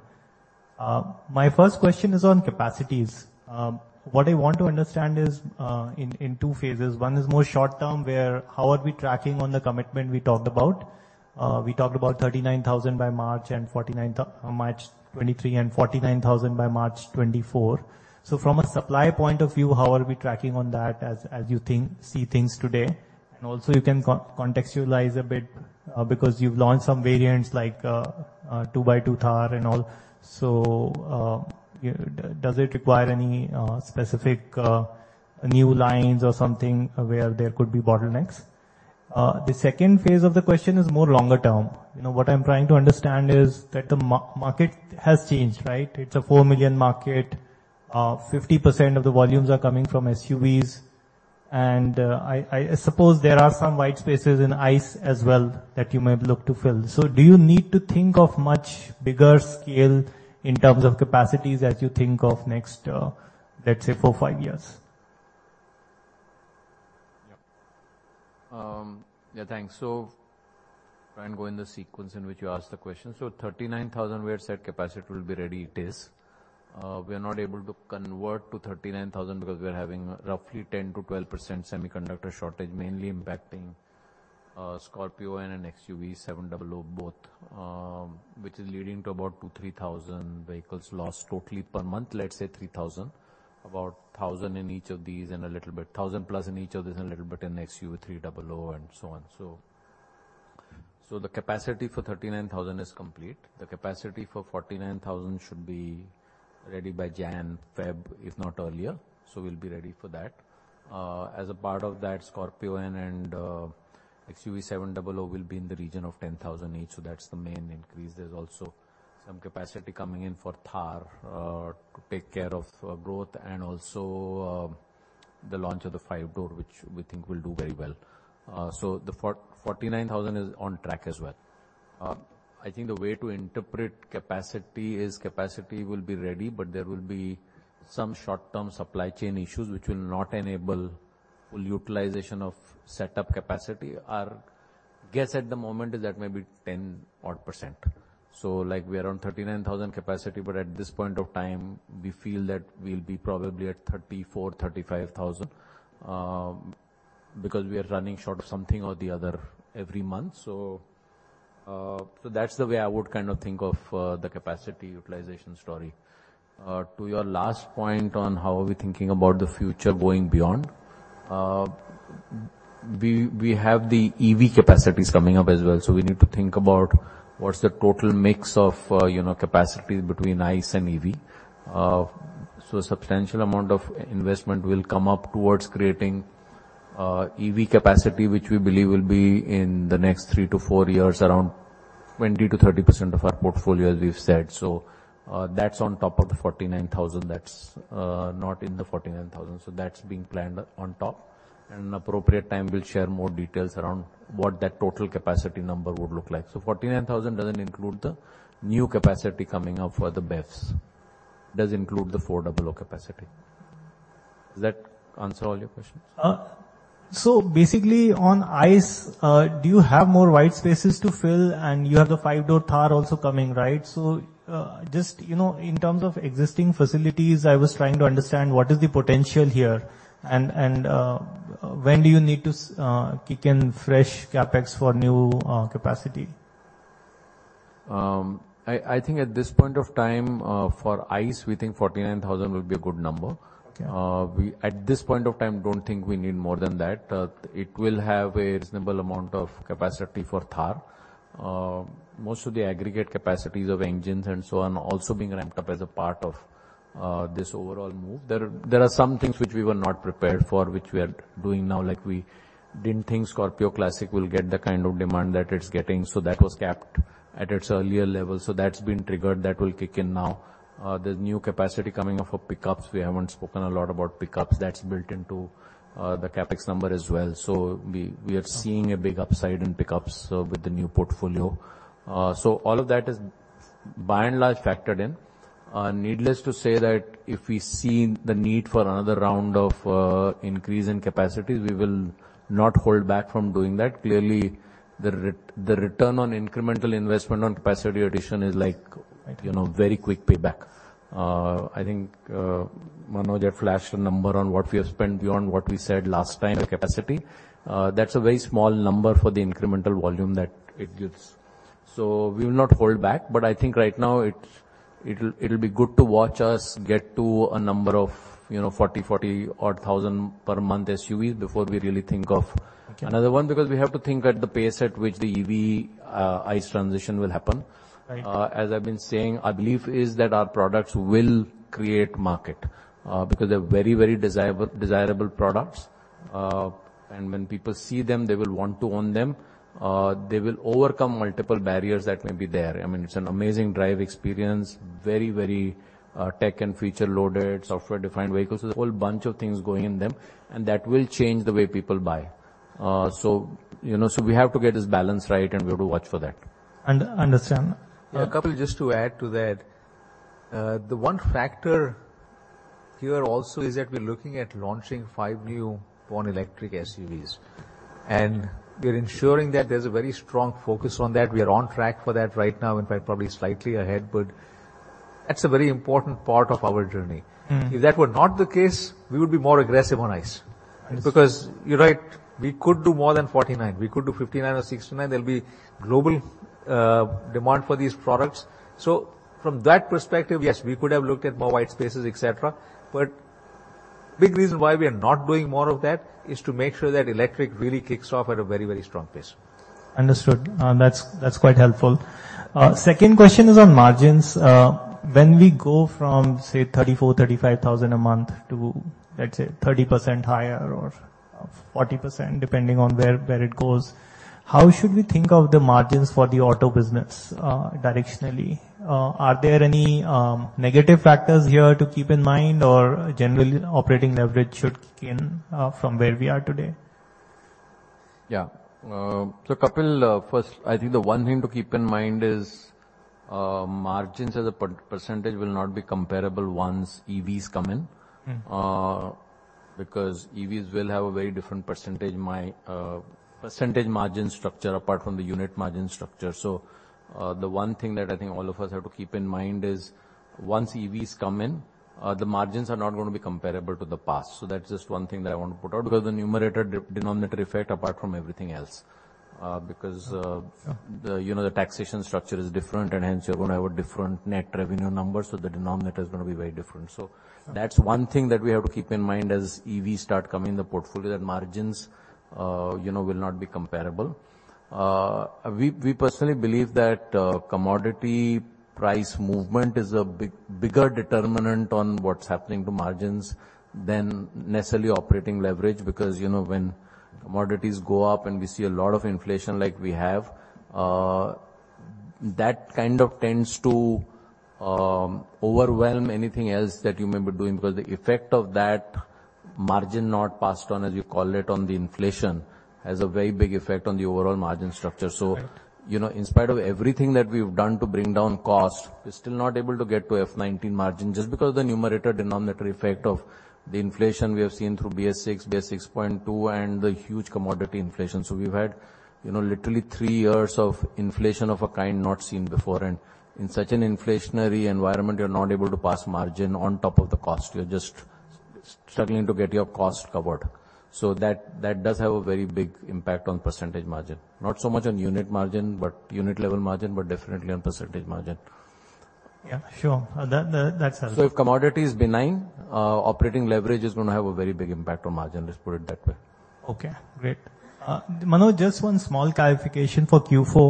My first question is on capacities. What I want to understand is in two phases. One is more short term, where how are we tracking on the commitment we talked about? We talked about 39,000 by March 2023 and 49,000 by March 2024. From a supply point of view, how are we tracking on that as you see things today? Also you can contextualize a bit because you've launched some variants like two by two Thar and all. Does it require any specific new lines or something where there could be bottlenecks? The second phase of the question is more longer term. You know, what I'm trying to understand is that the market has changed, right? It's a 4 million market. 50% of the volumes are coming from SUVs, and I suppose there are some white spaces in ICE as well that you may have looked to fill. Do you need to think of much bigger scale in terms of capacities as you think of next, let's say, 4, 5 years? Yep. Yeah, thanks. Try and go in the sequence in which you asked the question. Thirty-nine thousand where set capacity will be ready, it is. We are not able to convert to 39,000 because we are having roughly 10%-12% semiconductor shortage, mainly impacting Scorpio and XUV700 both, which is leading to about 2,000-3,000 vehicles lost totally per month, let's say 3,000. About 1,000 in each of these and a little bit 1,000 plus in each of these, and a little bit in XUV300, and so on. The capacity for 39,000 is complete. The capacity for 49,000 should be ready by Jan, Feb, if not earlier. We'll be ready for that. As a part of that, Scorpio and XUV700 will be in the region of 10,000 each, that's the main increase. There's also some capacity coming in for Thar to take care of growth and also the launch of the five-door Thar, which we think will do very well. The 49,000 is on track as well. I think the way to interpret capacity is capacity will be ready, there will be some short-term supply chain issues which will not enable full utilization of set up capacity. Our guess at the moment is that maybe 10%. Like we are on 39,000 capacity, at this point of time, we feel that we'll be probably at 34,000-35,000, because we are running short of something or the other every month. That's the way I would kind of think of the capacity utilization story. To your last point on how are we thinking about the future going beyond, we have the EV capacities coming up as well, so we need to think about what's the total mix of, you know, capacity between ICE and EV. A substantial amount of investment will come up towards creating EV capacity, which we believe will be in the next 3 to 4 years, around 20%-30% of our portfolio, as we've said. That's on top of the 49,000. That's not in the 49,000. That's being planned on top, and in appropriate time, we'll share more details around what that total capacity number would look like. 49,000 doesn't include the new capacity coming up for the BEVs. It does include the XUV400 capacity. Does that answer all your questions? So basically, on ICE, do you have more white spaces to fill? You have the five-door Thar also coming, right? Just, you know, in terms of existing facilities, I was trying to understand what is the potential here, and when do you need to kick in fresh CapEx for new capacity? I think at this point of time, for ICE, we think 49,000 would be a good number. Okay. We, at this point of time, don't think we need more than that. It will have a reasonable amount of capacity for Thar. Most of the aggregate capacities of engines and so on, are also being ramped up as a part of this overall move. There are some things which we were not prepared for, which we are doing now, like we didn't think Scorpio Classic will get the kind of demand that it's getting, so that was capped at its earlier level. That's been triggered. That will kick in now. There's new capacity coming up for pickups. We haven't spoken a lot about pickups. That's built into the CapEx number as well. We, we are seeing a big upside in pickups with the new portfolio. All of that is by and large, factored in. Needless to say that if we see the need for another round of increase in capacities, we will not hold back from doing that. Clearly, the return on incremental investment on capacity addition is like, you know, very quick payback. I think Manoj had flashed a number on what we have spent beyond what we said last time, the capacity. That's a very small number for the incremental volume that it gives. We will not hold back, but I think right now, it's, it'll be good to watch us get to a number of, you know, 40,000 per month SUV before we really think of. Okay. Another one, because we have to think at the pace at which the EV, ICE transition will happen. Thank you. As I've been saying, our belief is that our products will create market because they're very, very desirable products. When people see them, they will want to own them. They will overcome multiple barriers that may be there. I mean, it's an amazing drive experience. Very, very tech and feature-loaded, software-defined vehicles. There's a whole bunch of things going in them, and that will change the way people buy. You know, we have to get this balance right, and we have to watch for that. Understand. Yeah, Kapil, just to add to that, the one factor here also is that we're looking at launching five new Born Electric SUVs. We're ensuring that there's a very strong focus on that. We are on track for that right now, in fact, probably slightly ahead. That's a very important part of our journey. Mm-hmm. If that were not the case, we would be more aggressive on ICE. ICE. You're right, we could do more than 49. We could do 59 or 69. There'll be global demand for these products. From that perspective, yes, we could have looked at more white spaces, et cetera. Big reason why we are not doing more of that is to make sure that electric really kicks off at a very, very strong pace. Understood. That's quite helpful. Second question is on margins. When we go from, say, 34,000-35,000 a month to, let's say, 30% higher or 40%, depending on where it goes, how should we think of the margins for the auto business directionally? Are there any negative factors here to keep in mind, or generally, operating leverage should kick in from where we are today? Yeah. Kapil, first, I think the one thing to keep in mind is, margins as a per-percentage will not be comparable once EVs come in. Mm-hmm. Because EVs will have a very different percentage, my percentage margin structure, apart from the unit margin structure. The one thing that I think all of us have to keep in mind is, once EVs come in, the margins are not going to be comparable to the past. That's just one thing that I want to put out, because the numerator, denominator effect, apart from everything else. Because. Yeah The, you know, the taxation structure is different, and hence you're going to have a different net revenue number, so the denominator is going to be very different. That's one thing that we have to keep in mind as EVs start coming in the portfolio, that margins, you know, will not be comparable. We, we personally believe that commodity price movement is a bigger determinant on what's happening to margins than necessarily operating leverage. You know, when commodities go up and we see a lot of inflation like we have, that kind of tends to overwhelm anything else that you may be doing, because the effect of that margin not passed on, as you call it, on the inflation, has a very big effect on the overall margin structure. Right. You know, in spite of everything that we've done to bring down cost, we're still not able to get to F19 margin, just because the numerator-denominator effect of the inflation we have seen through BS-VI, BS VI Stage-II, and the huge commodity inflation. We've had, you know, literally three years of inflation of a kind not seen before, and in such an inflationary environment, you're not able to pass margin on top of the cost. You're just struggling to get your cost covered. That does have a very big impact on percentage margin. Not so much on unit margin, but unit level margin, but definitely on percentage margin. Yeah, sure. That's helpful. If commodity is benign, operating leverage is going to have a very big impact on margin, let's put it that way. Okay, great. Manoj, just one small clarification for Q4.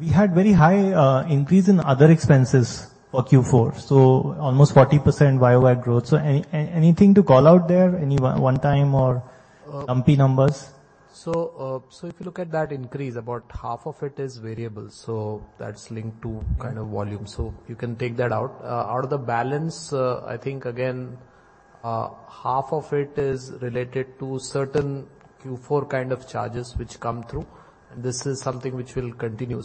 We had very high increase in other expenses for Q4, almost 40% year-over-year growth. Anything to call out there, any one time or lumpy numbers? If you look at that increase, about half of it is variable, so that's linked to kind of volume. Mm-hmm. You can take that out. Out of the balance, I think, again, half of it is related to certain Q4 kind of charges which come through, this is something which will continue.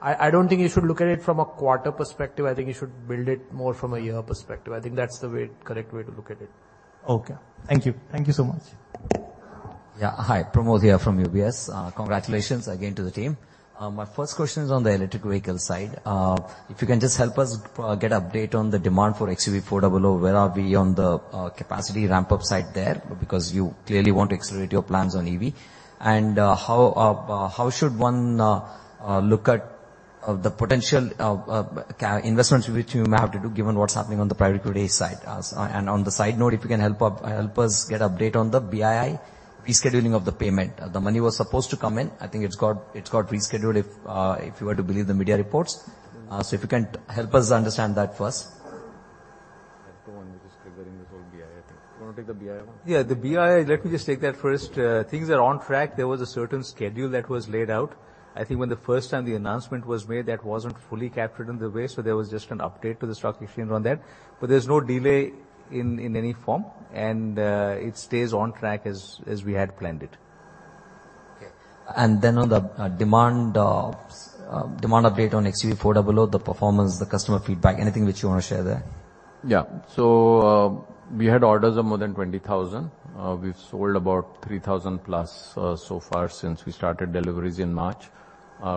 I don't think you should look at it from a quarter perspective. I think you should build it more from a year perspective. I think that's the way, correct way to look at it. Okay. Thank you. Thank you so much. Yeah. Hi, Pramod here from UBS. Congratulations again to the team. My first question is on the electric vehicle side. If you can just help us get update on the demand for XUV four double O, where are we on the capacity ramp-up side there? Because you clearly want to accelerate your plans on EV. How should one look at the potential investments which you may have to do, given what's happening on the private equity side? On the side note, if you can help us get update on the BII rescheduling of the payment. The money was supposed to come in. I think it's got rescheduled, if you were to believe the media reports. If you can help us understand that first. You're the one who is triggering this whole BII thing. You want to take the BII one? The BII, let me just take that first. Things are on track. There was a certain schedule that was laid out. I think when the first time the announcement was made, that wasn't fully captured in the way, so there was just an update to the stock exchange on that. There's no delay in any form, and it stays on track as we had planned it. Okay. Then on the demand update on XUV400, the performance, the customer feedback, anything which you want to share there? Yeah. We had orders of more than 20,000. We've sold about 3,000 plus so far since we started deliveries in March.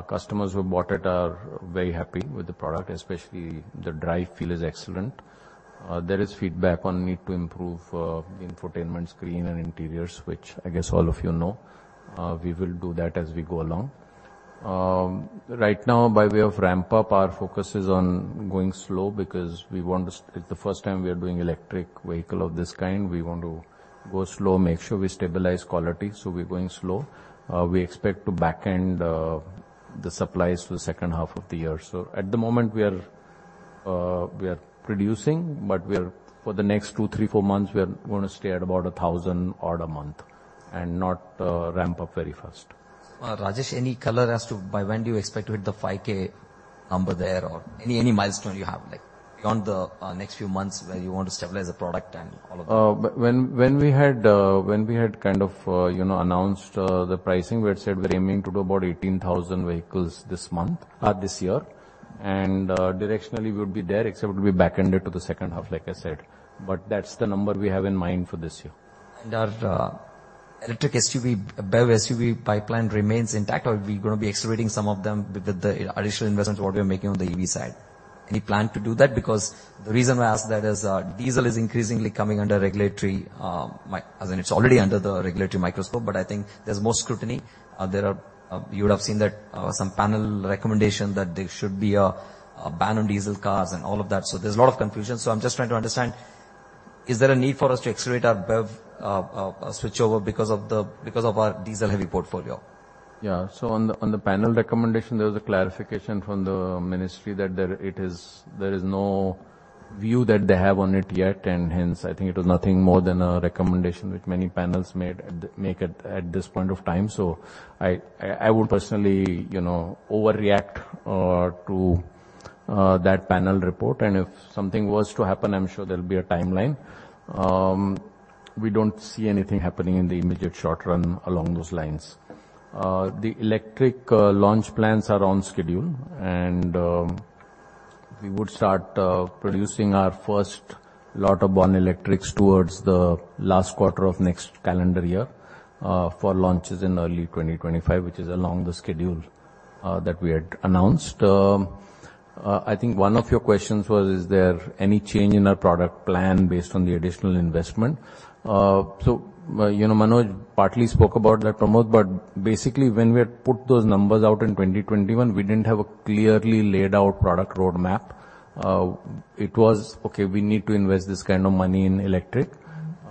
Customers who bought it are very happy with the product, especially the drive feel is excellent. There is feedback on need to improve the infotainment screen and interior switch. I guess all of you know. We will do that as we go along. Right now, by way of ramp up, our focus is on going slow because we want to. It's the first time we are doing electric vehicle of this kind. We want to go slow, make sure we stabilize quality, so we're going slow. We expect to back end the supplies to the second half of the year. At the moment, we are, we are producing, but we are, for the next two, three, four months, we are going to stay at about 1,000 order a month and not ramp up very fast. Rajesh, any color as to by when do you expect to hit the 5K number there or any milestone you have, like, beyond the next few months where you want to stabilize the product and all of that? When we had kind of, you know, announced the pricing, we had said we're aiming to do about 18,000 vehicles this month, this year. Directionally, we'll be there, except we'll be back-ended to the second half, like I said, but that's the number we have in mind for this year. Our electric SUV, BEV SUV pipeline remains intact, or we're going to be accelerating some of them with the additional investments what we are making on the EV side? Any plan to do that? The reason I ask that is diesel is increasingly coming under regulatory, like, as in it's already under the regulatory microscope, but I think there's more scrutiny. You would have seen that some panel recommendation that there should be a ban on diesel cars and all of that. There's a lot of confusion. I'm just trying to understand: Is there a need for us to accelerate our BEV switchover because of our diesel-heavy portfolio? Yeah. On the, on the panel recommendation, there was a clarification from the ministry that there is no view that they have on it yet, and hence, I think it was nothing more than a recommendation, which many panels make at this point of time. I, I wouldn't personally, you know, overreact to that panel report, and if something was to happen, I'm sure there'll be a timeline. We don't see anything happening in the immediate short run along those lines. The electric launch plans are on schedule, and we would start producing our first lot of Born Electric towards the last quarter of next calendar year for launches in early 2025, which is along the schedule that we had announced. I think one of your questions was, is there any change in our product plan based on the additional investment? You know, Manoj partly spoke about that, Pramod, but basically, when we had put those numbers out in 2021, we didn't have a clearly laid out product roadmap. It was, "Okay, we need to invest this kind of money in electric."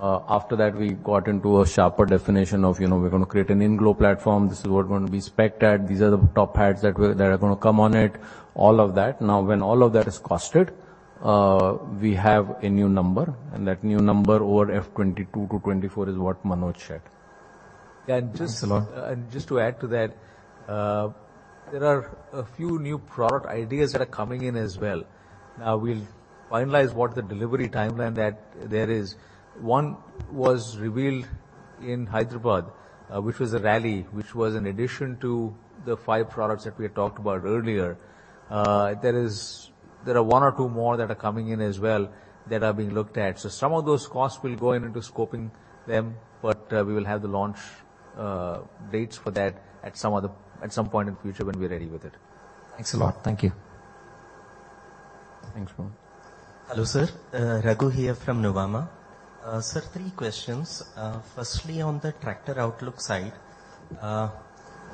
After that, we got into a sharper definition of, you know, we're gonna create an INGLO platform. This is what we're gonna be specced at. These are the top hats that are gonna come on it, all of that. When all of that is costed, we have a new number, and that new number over F22-24 is what Manoj shared. And just- Thanks a lot. Just to add to that, there are a few new product ideas that are coming in as well. Now, we'll finalize what the delivery timeline that there is. One was revealed in Hyderabad, which was a BE.RALL-E, which was in addition to the 5 products that we had talked about earlier. There are 1 or 2 more that are coming in as well, that are being looked at. Some of those costs will go into scoping them, but we will have the launch dates for that at some point in the future when we are ready with it. Thanks a lot. Thank you. Thanks, Pramod. Hello, sir. Raghu here from Nuvama. Sir, three questions. Firstly, on the tractor outlook side,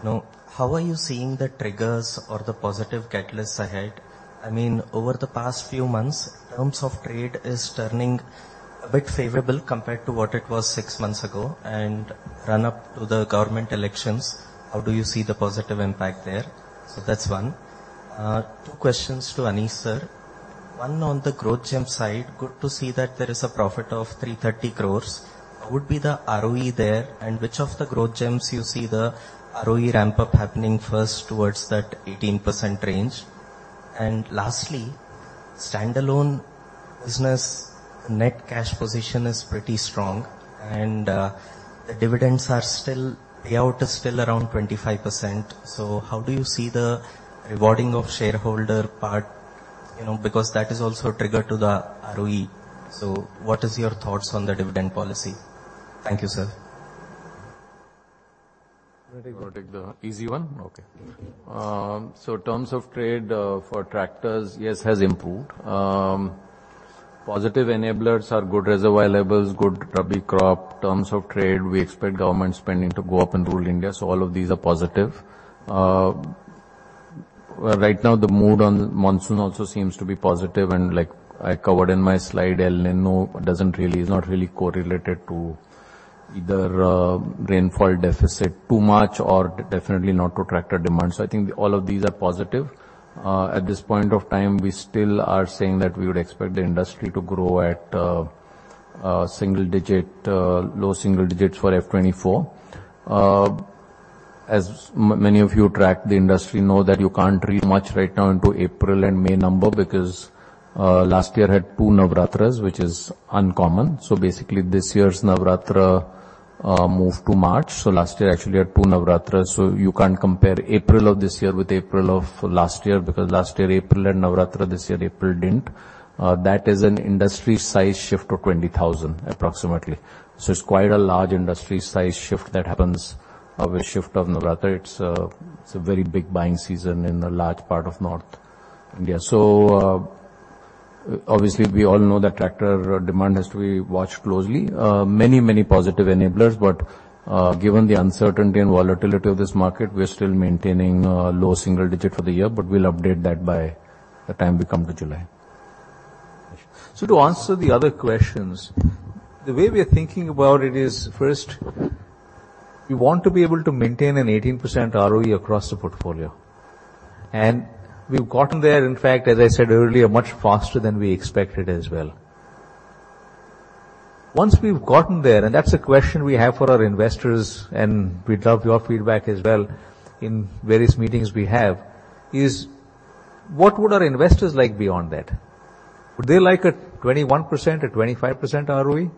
now, how are you seeing the triggers or the positive catalysts ahead? I mean, over the past few months, in terms of trade is turning a bit favorable compared to what it was six months ago and run up to the government elections, how do you see the positive impact there? That's one. Two questions to Anish, sir. One, on the Growth Gems side, good to see that there is a profit of 330 crores. What would be the ROE there, and which of the Growth Gems you see the ROE ramp up happening first towards that 18% range? Lastly, standalone business net cash position is pretty strong, and the dividends are still, payout is still around 25%. How do you see the rewarding of shareholder part? You know, because that is also a trigger to the ROE. What is your thoughts on the dividend policy? Thank you, sir. I'll take the easy one? Okay. Terms of trade for tractors, yes, has improved. Positive enablers are good reservoir levels, good rabi crop. Terms of trade, we expect government spending to go up in rural India, all of these are positive. Well, right now, the mood on monsoon also seems to be positive, like I covered in my slide, El Niño doesn't really, is not really correlated to either rainfall deficit too much or definitely not to tractor demand. I think all of these are positive. At this point of time, we still are saying that we would expect the industry to grow at single digit, low single digits for F24. as many of you track the industry know that you can't read much right now into April and May number, because last year had 2 Navratras, which is uncommon. Basically, this year's Navaratra moved to March. Last year actually had 2 Navaratra, so you can't compare April of this year with April of last year, because last year, April had Navaratra, this year April didn't. That is an industry size shift of 20,000, approximately. It's quite a large industry size shift that happens of a shift of Navaratra. It's a very big buying season in a large part of North India. Obviously, we all know that tractor demand has to be watched closely. Many, many positive enablers, but given the uncertainty and volatility of this market, we're still maintaining low single digit for the year, but we'll update that by the time we come to July. To answer the other questions, the way we are thinking about it is, first, we want to be able to maintain an 18% ROE across the portfolio, and we've gotten there. In fact, as I said earlier, much faster than we expected as well. Once we've gotten there, and that's a question we have for our investors, and we'd love your feedback as well in various meetings we have, is what would our investors like beyond that? Would they like a 21%, a 25% ROE,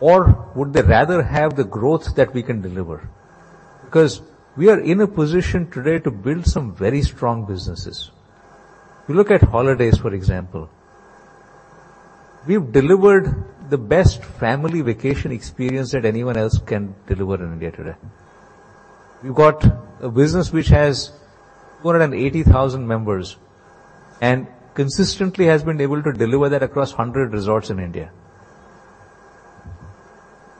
or would they rather have the growth that we can deliver? We are in a position today to build some very strong businesses. You look at holidays, for example. We've delivered the best family vacation experience that anyone else can deliver in India today. We've got a business which has 480,000 members. Consistently has been able to deliver that across 100 resorts in India.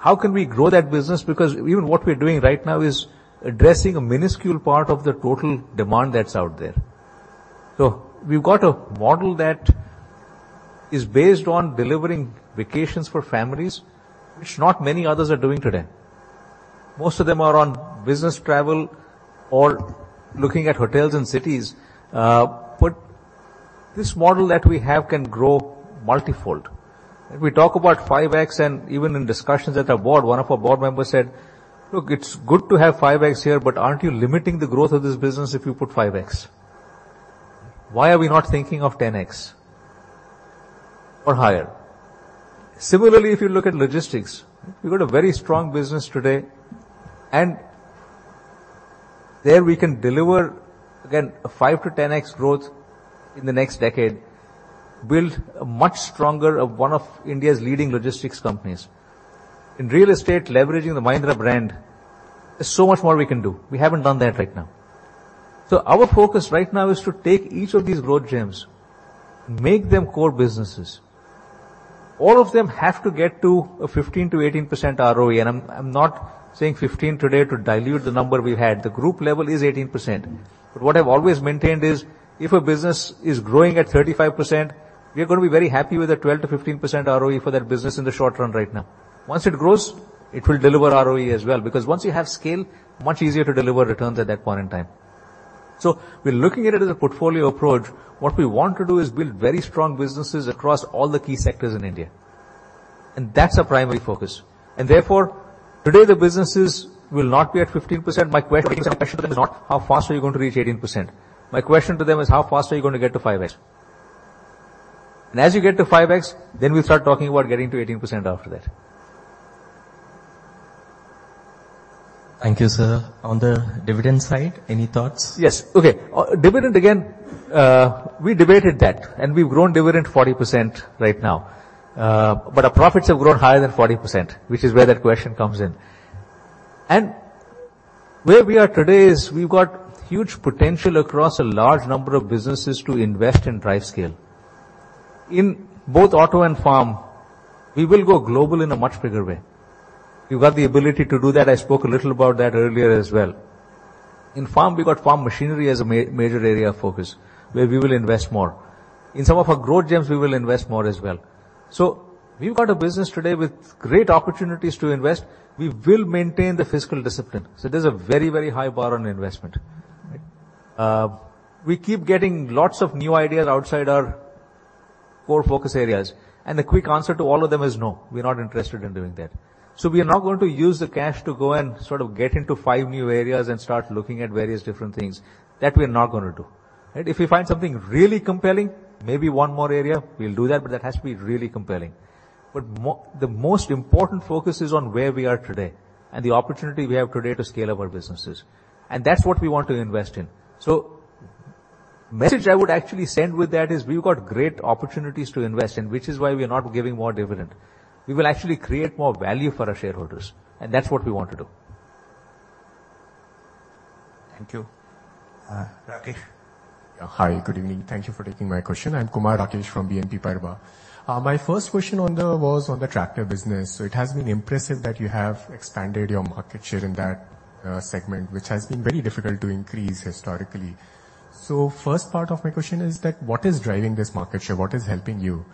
How can we grow that business? Even what we're doing right now is addressing a minuscule part of the total demand that's out there. We've got a model that is based on delivering vacations for families, which not many others are doing today. Most of them are on business travel or looking at hotels and cities. This model that we have can grow multifold. If we talk about 5X, even in discussions at our board, one of our board members said: "Look, it's good to have 5X here, but aren't you limiting the growth of this business if you put 5X? Why are we not thinking of 10x or higher? Similarly, if you look at logistics, we've got a very strong business today. There we can deliver, again, a 5x-10x growth in the next decade, build a much stronger, one of India's leading logistics companies. In real estate, leveraging the Mahindra brand, there's so much more we can do. We haven't done that right now. Our focus right now is to take each of these Growth Gems, make them core businesses. All of them have to get to a 15%-18% ROE. I'm not saying 15 today to dilute the number we had. The group level is 18%. What I've always maintained is, if a business is growing at 35%, we are gonna be very happy with a 12%-15% ROE for that business in the short run right now. Once it grows, it will deliver ROE as well, because once you have scale, much easier to deliver returns at that point in time. We're looking at it as a portfolio approach. What we want to do is build very strong businesses across all the key sectors in India, and that's our primary focus. Therefore, today, the businesses will not be at 15%. My question to them is not, how fast are you going to reach 18%? My question to them is, how fast are you going to get to 5x? As you get to 5x, then we start talking about getting to 18% after that. Thank you, sir. On the dividend side, any thoughts? Yes. Okay. dividend, again, we debated that. We've grown dividend 40% right now. Our profits have grown higher than 40%, which is where that question comes in. Where we are today is we've got huge potential across a large number of businesses to invest and drive scale. In both auto and farm, we will go global in a much bigger way. We've got the ability to do that. I spoke a little about that earlier as well. In farm, we've got farm machinery as a major area of focus, where we will invest more. In some of our Growth Gems, we will invest more as well. We've got a business today with great opportunities to invest. We will maintain the fiscal discipline, so there's a very, very high bar on investment. We keep getting lots of new ideas outside our core focus areas, and the quick answer to all of them is no, we're not interested in doing that. We are not going to use the cash to go and sort of get into 5 new areas and start looking at various different things. That we're not gonna do, right? If we find something really compelling, maybe 1 more area, we'll do that, but that has to be really compelling. But the most important focus is on where we are today and the opportunity we have today to scale up our businesses, and that's what we want to invest in. Message I would actually send with that is, we've got great opportunities to invest in, which is why we are not giving more dividend. We will actually create more value for our shareholders, and that's what we want to do. Thank you. Rakesh? Hi, good evening. Thank Thank you for taking my question. I'm Kumar Rakesh from BNP Paribas. My first question was on the tractor business. It has been impressive that you have expanded your market share in that segment, which has been very difficult to increase historically. First part of my question is that, what is driving this market share? What is helping you?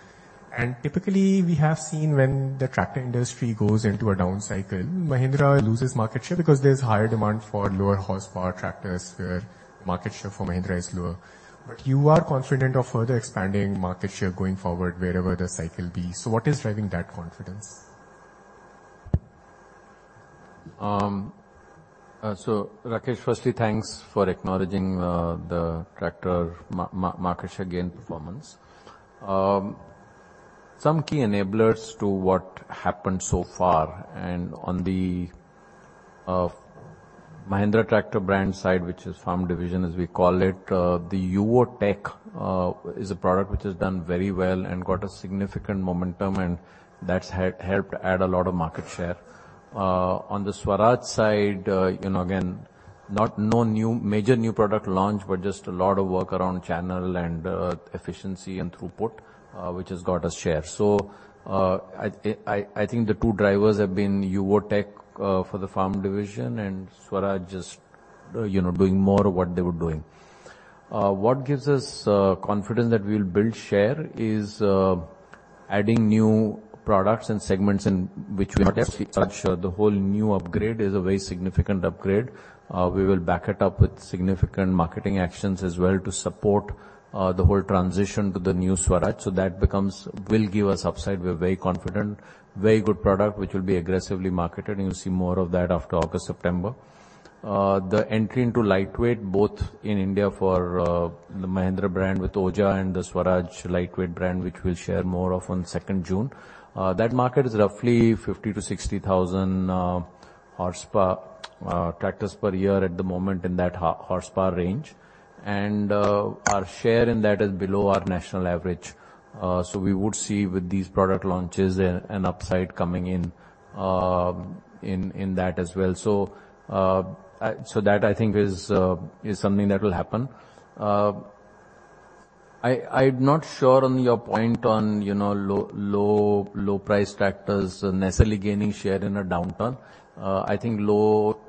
Typically, we have seen when the tractor industry goes into a down cycle, Mahindra loses market share because there's higher demand for lower horsepower tractors, where market share for Mahindra is lower. You are confident of further expanding market share going forward, wherever the cycle be. What is driving that confidence? Rakesh, firstly, thanks for acknowledging the tractor market share gain performance. Some key enablers to what happened so far, and on the Mahindra tractor brand side, which is farm division, as we call it, the Yuvo Tech+, is a product which has done very well and got a significant momentum, and that's helped add a lot of market share. On the Swaraj side, you know, again, not no new major new product launch, but just a lot of work around channel and efficiency and throughput, which has got us share. I think the two drivers have been Yuvo Tech+, for the farm division and Swaraj just, you know, doing more of what they were doing. What gives us confidence that we'll build share is adding new products and segments. The whole new upgrade is a very significant upgrade. We will back it up with significant marketing actions as well to support the whole transition to the new Swaraj. That will give us upside. We're very confident, very good product, which will be aggressively marketed, and you'll see more of that after August, September. The entry into lightweight, both in India for the Mahindra brand with OJA and the Swaraj lightweight brand, which we'll share more of on 2nd June. That market is roughly 50,000-60,000 horsepower tractors per year at the moment in that horsepower range. Our share in that is below our national average. We would see with these product launches an upside coming in that as well. That I think is something that will happen. I'm not sure on your point on, you know, low price tractors necessarily gaining share in a downturn. I think low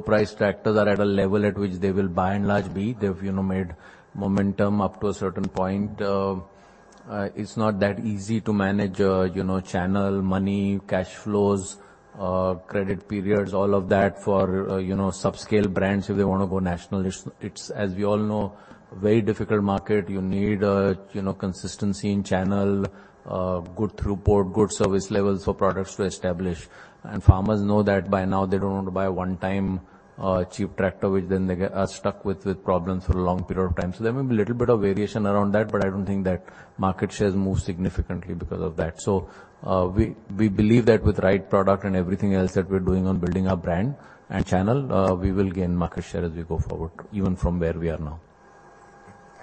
price tractors are at a level at which they will by and large be. They've, you know, made momentum up to a certain point. It's not that easy to manage, you know, channel, money, cash flows, credit periods, all of that, for, you know, sub-scale brands if they want to go national. It's, as we all know, a very difficult market. You need, you know, consistency in channel, good throughput, good service levels for products to establish. Farmers know that by now, they don't want to buy a one-time cheap tractor, which then they get stuck with problems for a long period of time. There may be a little bit of variation around that, but I don't think that market shares move significantly because of that. We believe that with right product and everything else that we're doing on building our brand and channel, we will gain market share as we go forward, even from where we are now.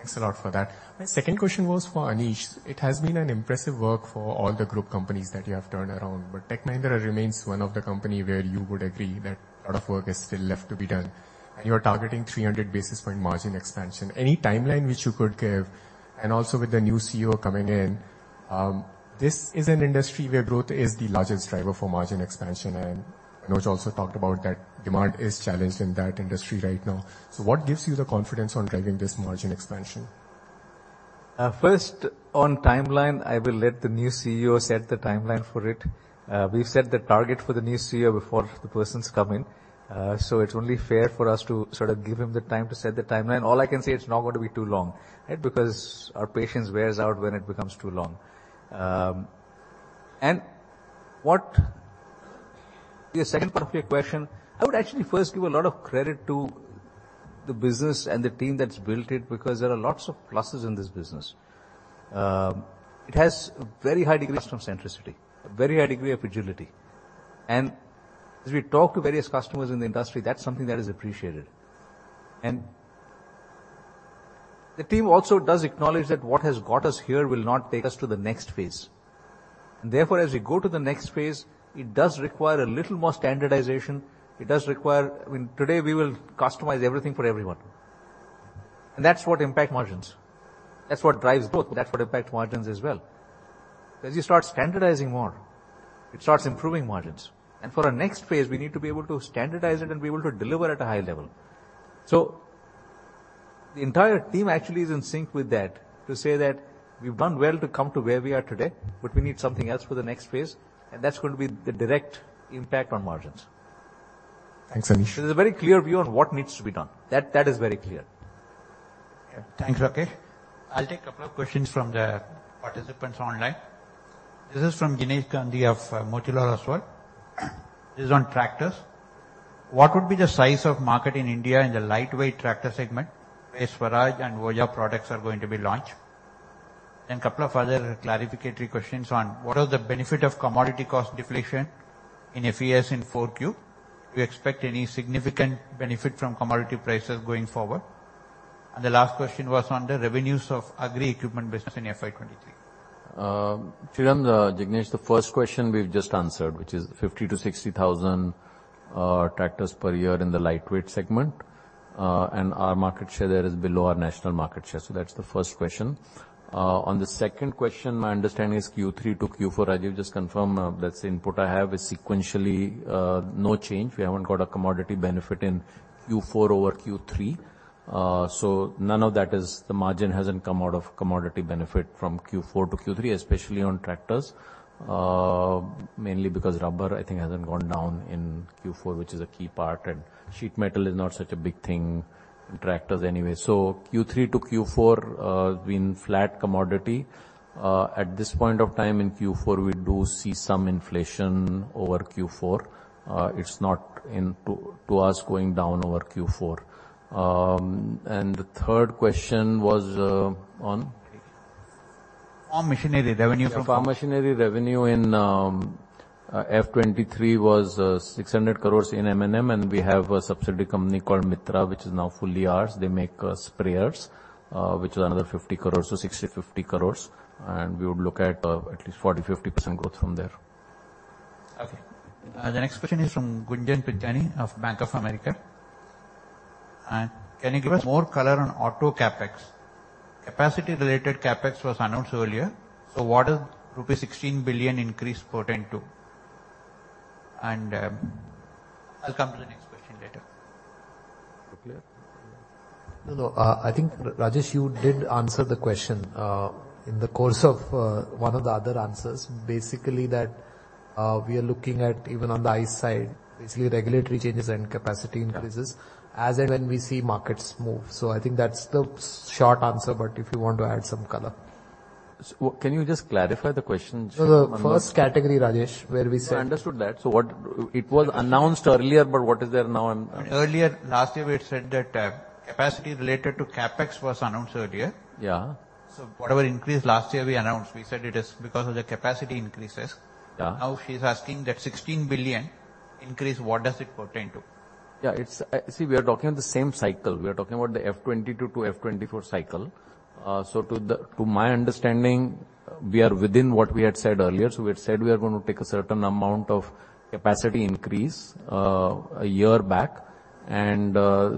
Thanks a lot for that. My second question was for Anish. It has been an impressive work for all the group companies that you have turned around, but Tech Mahindra remains one of the company where you would agree that a lot of work is still left to be done, and you are targeting 300 basis point margin expansion. Any timeline which you could give? Also with the new CEO coming in, this is an industry where growth is the largest driver for margin expansion, and I know you also talked about that demand is challenged in that industry right now. What gives you the confidence on driving this margin expansion? First, on timeline, I will let the new CEO set the timeline for it. We've set the target for the new CEO before the person's come in, so it's only fair for us to sort of give him the time to set the timeline. All I can say, it's not going to be too long, right? Because our patience wears out when it becomes too long. What the second part of your question, I would actually first give a lot of credit to the business and the team that's built it, because there are lots of pluses in this business. It has very high degrees from centricity, a very high degree of agility. As we talk to various customers in the industry, that's something that is appreciated. The team also does acknowledge that what has got us here will not take us to the next phase. Therefore, as we go to the next phase, it does require a little more standardization. It does require, I mean, today, we will customize everything for everyone, and that's what impact margins. That's what drives growth, that's what impacts margins as well. As you start standardizing more, it starts improving margins, and for our next phase, we need to be able to standardize it and be able to deliver at a high level. The entire team actually is in sync with that, to say that we've done well to come to where we are today, but we need something else for the next phase, and that's going to be the direct impact on margins. Thanks, Anish. There's a very clear view on what needs to be done. That is very clear. Yeah. Thanks, Rakesh. I'll take a couple of questions from the participants online. This is from Jinesh Gandhi of Motilal Oswal. This is on tractors. What would be the size of market in India in the lightweight tractor segment, where Swaraj and OJA products are going to be launched? Couple of other clarificatory questions on, what are the benefit of commodity cost deflation in FES in Q4? Do you expect any significant benefit from commodity prices going forward? The last question was on the revenues of agri equipment business in FY23. Jinesh Gandhi, the first question we've just answered, which is 50,000-60,000 tractors per year in the lightweight segment. Our market share there is below our national market share. That's the first question. On the second question, my understanding is Q3 to Q4. Rajiv, just confirm, that's the input I have, is sequentially, no change. We haven't got a commodity benefit in Q4 over Q3. None of that is, the margin hasn't come out of commodity benefit from Q4 to Q3, especially on tractors, mainly because rubber, I think, hasn't gone down in Q4, which is a key part, and sheet metal is not such a big thing in tractors anyway. Q3 to Q4 being flat commodity. At this point of time, in Q4, we do see some inflation over Q4. It's not in to us, going down over Q4. The third question was, on? Farm machinery, revenue from- Farm machinery revenue in F23 was 600 crores in M&M, and we have a subsidiary company called Mitra, which is now fully ours. They make sprayers, which is another 50 crores, so 60, 50 crores, and we would look at at least 40%-50% growth from there. Okay. The next question is from Gunjan Prithyani of Bank of America. Can you give us more color on auto CapEx? Capacity-related CapEx was announced earlier, what does rupees 16 billion increase pertain to? I'll come to the next question later. Clear? No, no. I think, Rajesh, you did answer the question, in the course of one of the other answers. Basically, that, we are looking at, even on the ICE side, basically regulatory changes and capacity increases- Yeah... as and when we see markets move. I think that's the short answer, but if you want to add some color. can you just clarify the question? The first category, Rajesh. I understood that. What, it was announced earlier, but what is there now and- Earlier, last year, we had said that, capacity related to CapEx was announced earlier. Yeah. Whatever increase last year we announced, we said it is because of the capacity increases. Yeah. Now, she's asking that 16 billion increase, what does it pertain to? See, we are talking the same cycle. We are talking about the F 22 to F 24 cycle. To the, to my understanding, we are within what we had said earlier. We had said we are going to take a certain amount of capacity increase, a year back.... and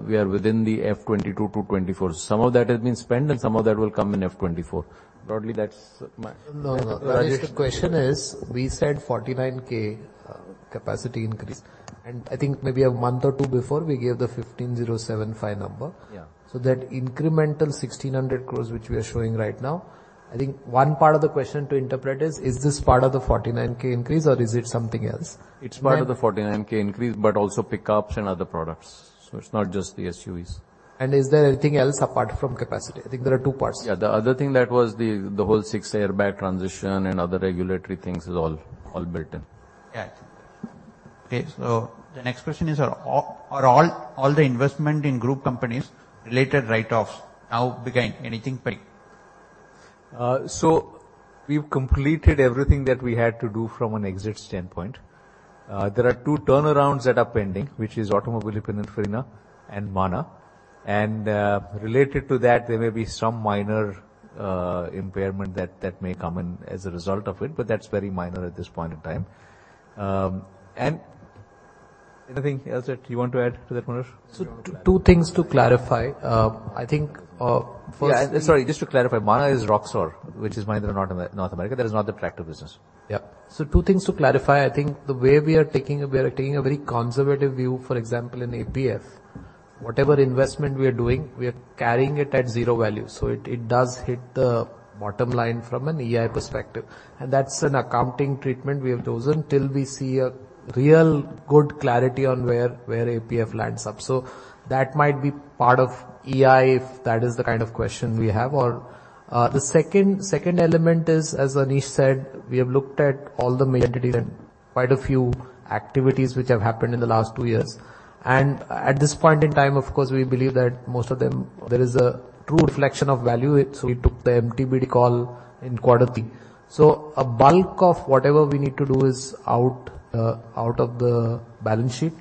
we are within the F 2022-F 2024. Some of that has been spent, and some of that will come in F 2024. Broadly, that's. No, no. The question is, we said 49K capacity increase, and I think maybe a month or two before we gave the 15,075 number. Yeah. That incremental 1,600 crores, which we are showing right now, I think one part of the question to interpret is: Is this part of the 49K increase or is it something else? It's part of the 49K increase, but also pickups and other products, so it's not just the SUVs. Is there anything else apart from capacity? I think there are two parts. Yeah. The other thing that was the whole six airbag transition and other regulatory things is all built in. Okay, the next question is, are all the investment in group companies related write-offs now became anything pending? We've completed everything that we had to do from an exit standpoint. There are two turnarounds that are pending, which is Automobili Pininfarina and MANA. Related to that, there may be some minor impairment that may come in as a result of it, but that's very minor at this point in time. Anything else that you want to add to that, Manoj? Two things to clarify. I think, Yeah. Sorry, just to clarify, MANA is ROXOR, which is Mahindra Automotive North America. That is not the tractor business. Yeah. Two things to clarify: I think the way we are taking a very conservative view, for example, in APF. Whatever investment we are doing, we are carrying it at zero value, so it does hit the bottom line from an EI perspective, and that's an accounting treatment we have chosen till we see a real good clarity on where APF lands up. That might be part of EI, if that is the kind of question we have. The second element is, as Anish said, we have looked at all the main entities and quite a few activities which have happened in the last two years. At this point in time, of course, we believe that most of them, there is a true reflection of value. We took the MTBD call in quarter 3. A bulk of whatever we need to do is out of the balance sheet.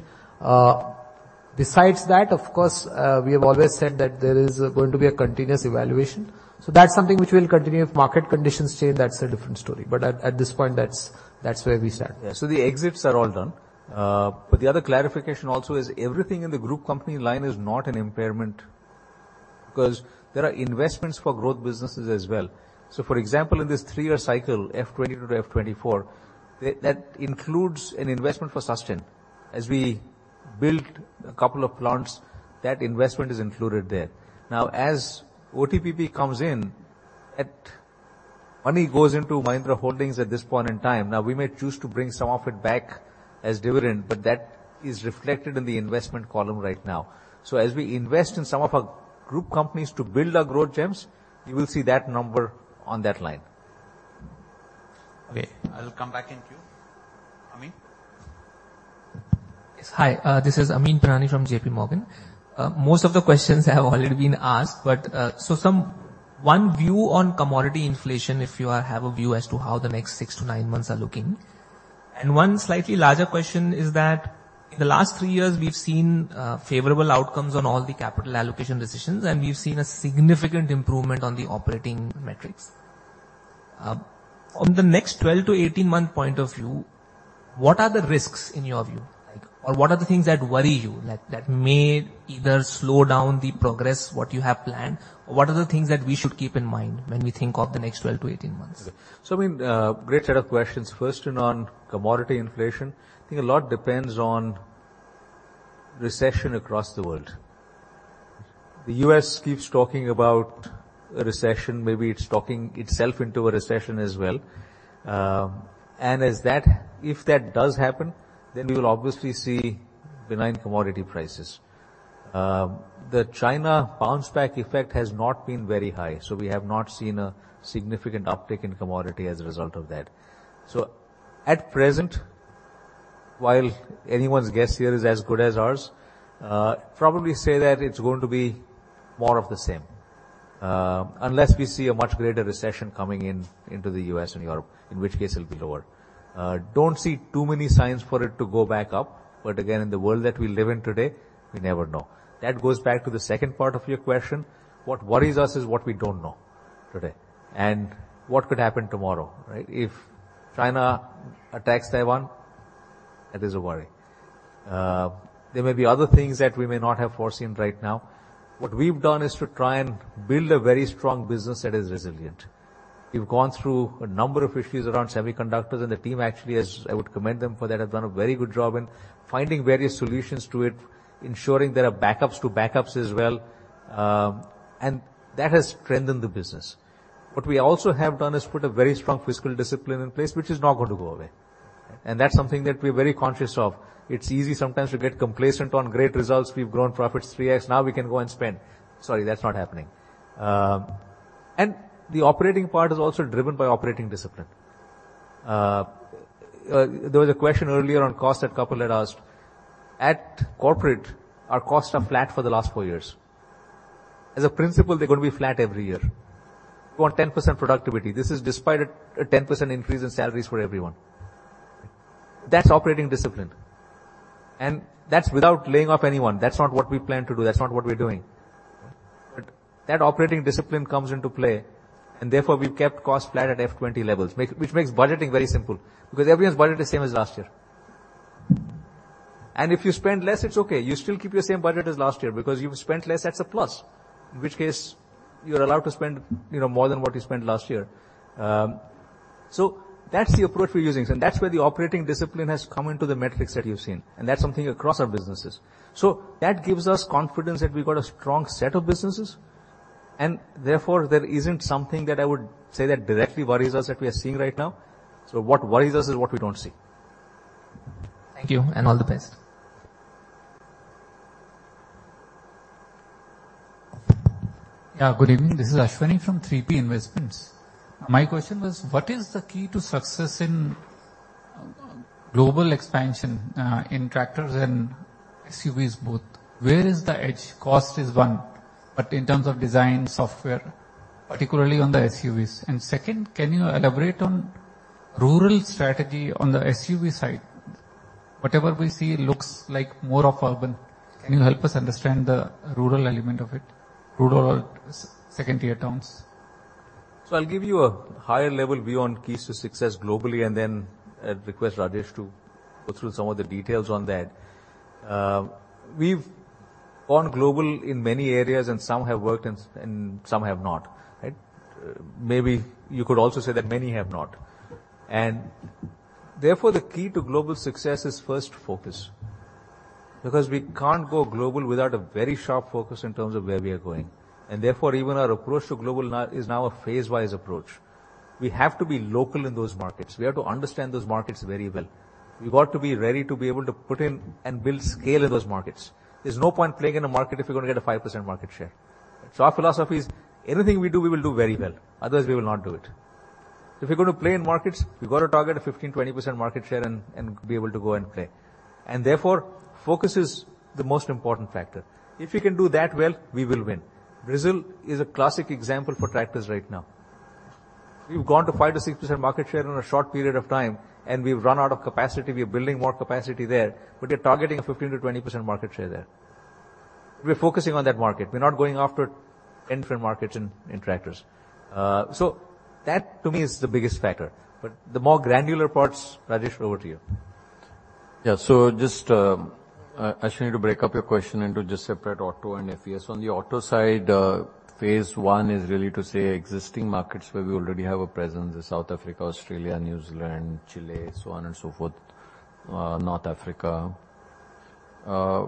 Besides that, of course, we have always said that there is going to be a continuous evaluation. That's something which will continue. If market conditions change, that's a different story. At this point, that's where we stand. Yeah. The exits are all done. The other clarification also is everything in the group company line is not an impairment, because there are investments for growth businesses as well. For example, in this 3-year cycle, F 'twenty to F 'twenty-four, that includes an investment for Susten. As we built a couple of plants, that investment is included there. As OTPP comes in, money goes into Mahindra Holdings at this point in time. We may choose to bring some of it back as dividend, but that is reflected in the investment column right now. As we invest in some of our group companies to build our Growth Gems, you will see that number on that line. Okay, I will come back in queue. Amin? Yes. Hi, this is Amyn Pirani from JP Morgan. One view on commodity inflation, if you have a view as to how the next 6-9 months are looking? One slightly larger question is that in the last three years, we've seen favorable outcomes on all the capital allocation decisions, and we've seen a significant improvement on the operating metrics. From the next 12-18 month point of view, what are the risks in your view? Or what are the things that worry you, that may either slow down the progress, what you have planned, or what are the things that we should keep in mind when we think of the next 12-18 months? I mean, great set of questions. First, on commodity inflation, I think a lot depends on recession across the world. The U.S. keeps talking about a recession, maybe it's talking itself into a recession as well. As that, if that does happen, then we will obviously see benign commodity prices. The China bounce back effect has not been very high, so we have not seen a significant uptick in commodity as a result of that. At present, while anyone's guess here is as good as ours, probably say that it's going to be more of the same, unless we see a much greater recession coming in, into the U.S. and Europe, in which case it'll be lower. Don't see too many signs for it to go back up, but again, in the world that we live in today, we never know. That goes back to the second part of your question. What worries us is what we don't know today and what could happen tomorrow, right? If China attacks Taiwan, that is a worry. There may be other things that we may not have foreseen right now. What we've done is to try and build a very strong business that is resilient. We've gone through a number of issues around semiconductors, and the team actually, as I would commend them for that, have done a very good job in finding various solutions to it, ensuring there are backups to backups as well, and that has strengthened the business. What we also have done is put a very strong fiscal discipline in place, which is not going to go away, and that's something that we're very conscious of. It's easy sometimes to get complacent on great results. "We've grown profits 3x, now we can go and spend." Sorry, that's not happening. The operating part is also driven by operating discipline. There was a question earlier on cost that a couple had asked. At corporate, our costs are flat for the last four years. As a principle, they're gonna be flat every year. We want 10% productivity. This is despite a 10% increase in salaries for everyone. That's operating discipline, and that's without laying off anyone. That's not what we plan to do. That's not what we're doing. That operating discipline comes into play, and therefore we've kept costs flat at F20 levels, which makes budgeting very simple, because everyone's budget is the same as last year. If you spend less, it's okay. You still keep your same budget as last year, because you've spent less, that's a plus, in which case, you're allowed to spend, you know, more than what you spent last year. That's the approach we're using, and that's where the operating discipline has come into the metrics that you've seen, and that's something across our businesses. That gives us confidence that we've got a strong set of businesses, and therefore, there isn't something that I would say that directly worries us that we are seeing right now. What worries us is what we don't see. Thank you, and all the best. Good evening. This is Ashwani from 3P Investment Managers. My question was, what is the key to success in global expansion in tractors and SUVs both? Where is the edge? Cost is one, but in terms of design, software, particularly on the SUVs. Second, can you elaborate on rural strategy on the SUV side? Whatever we see looks like more of urban. Can you help us understand the rural element of it, rural or second tier towns? I'll give you a higher level view on keys to success globally, and then I'd request Rajesh to go through some of the details on that. We've gone global in many areas, and some have worked and some have not, right? Maybe you could also say that many have not. The key to global success is first, focus. We can't go global without a very sharp focus in terms of where we are going, even our approach to global now, is now a phase-wise approach. We have to be local in those markets. We have to understand those markets very well. We've got to be ready to be able to put in and build scale in those markets. There's no point playing in a market if you're going to get a 5% market share. Our philosophy is, anything we do, we will do very well, otherwise we will not do it. If we're going to play in markets, we've got to target a 15%-20% market share and be able to go and play. Therefore, focus is the most important factor. If we can do that well, we will win. Brazil is a classic example for tractors right now. We've gone to 5%-6% market share in a short period of time, and we've run out of capacity. We're building more capacity there, but we are targeting a 15%-20% market share there. We're focusing on that market. We're not going after infinite markets in tractors. That to me is the biggest factor. The more granular parts, Rajesh, over to you. Yeah. Just Ashwani, to break up your question into just separate auto and FES. On the auto side, phase one is really to say existing markets where we already have a presence, in South Africa, Australia, New Zealand, Chile, so on and so forth, North Africa. A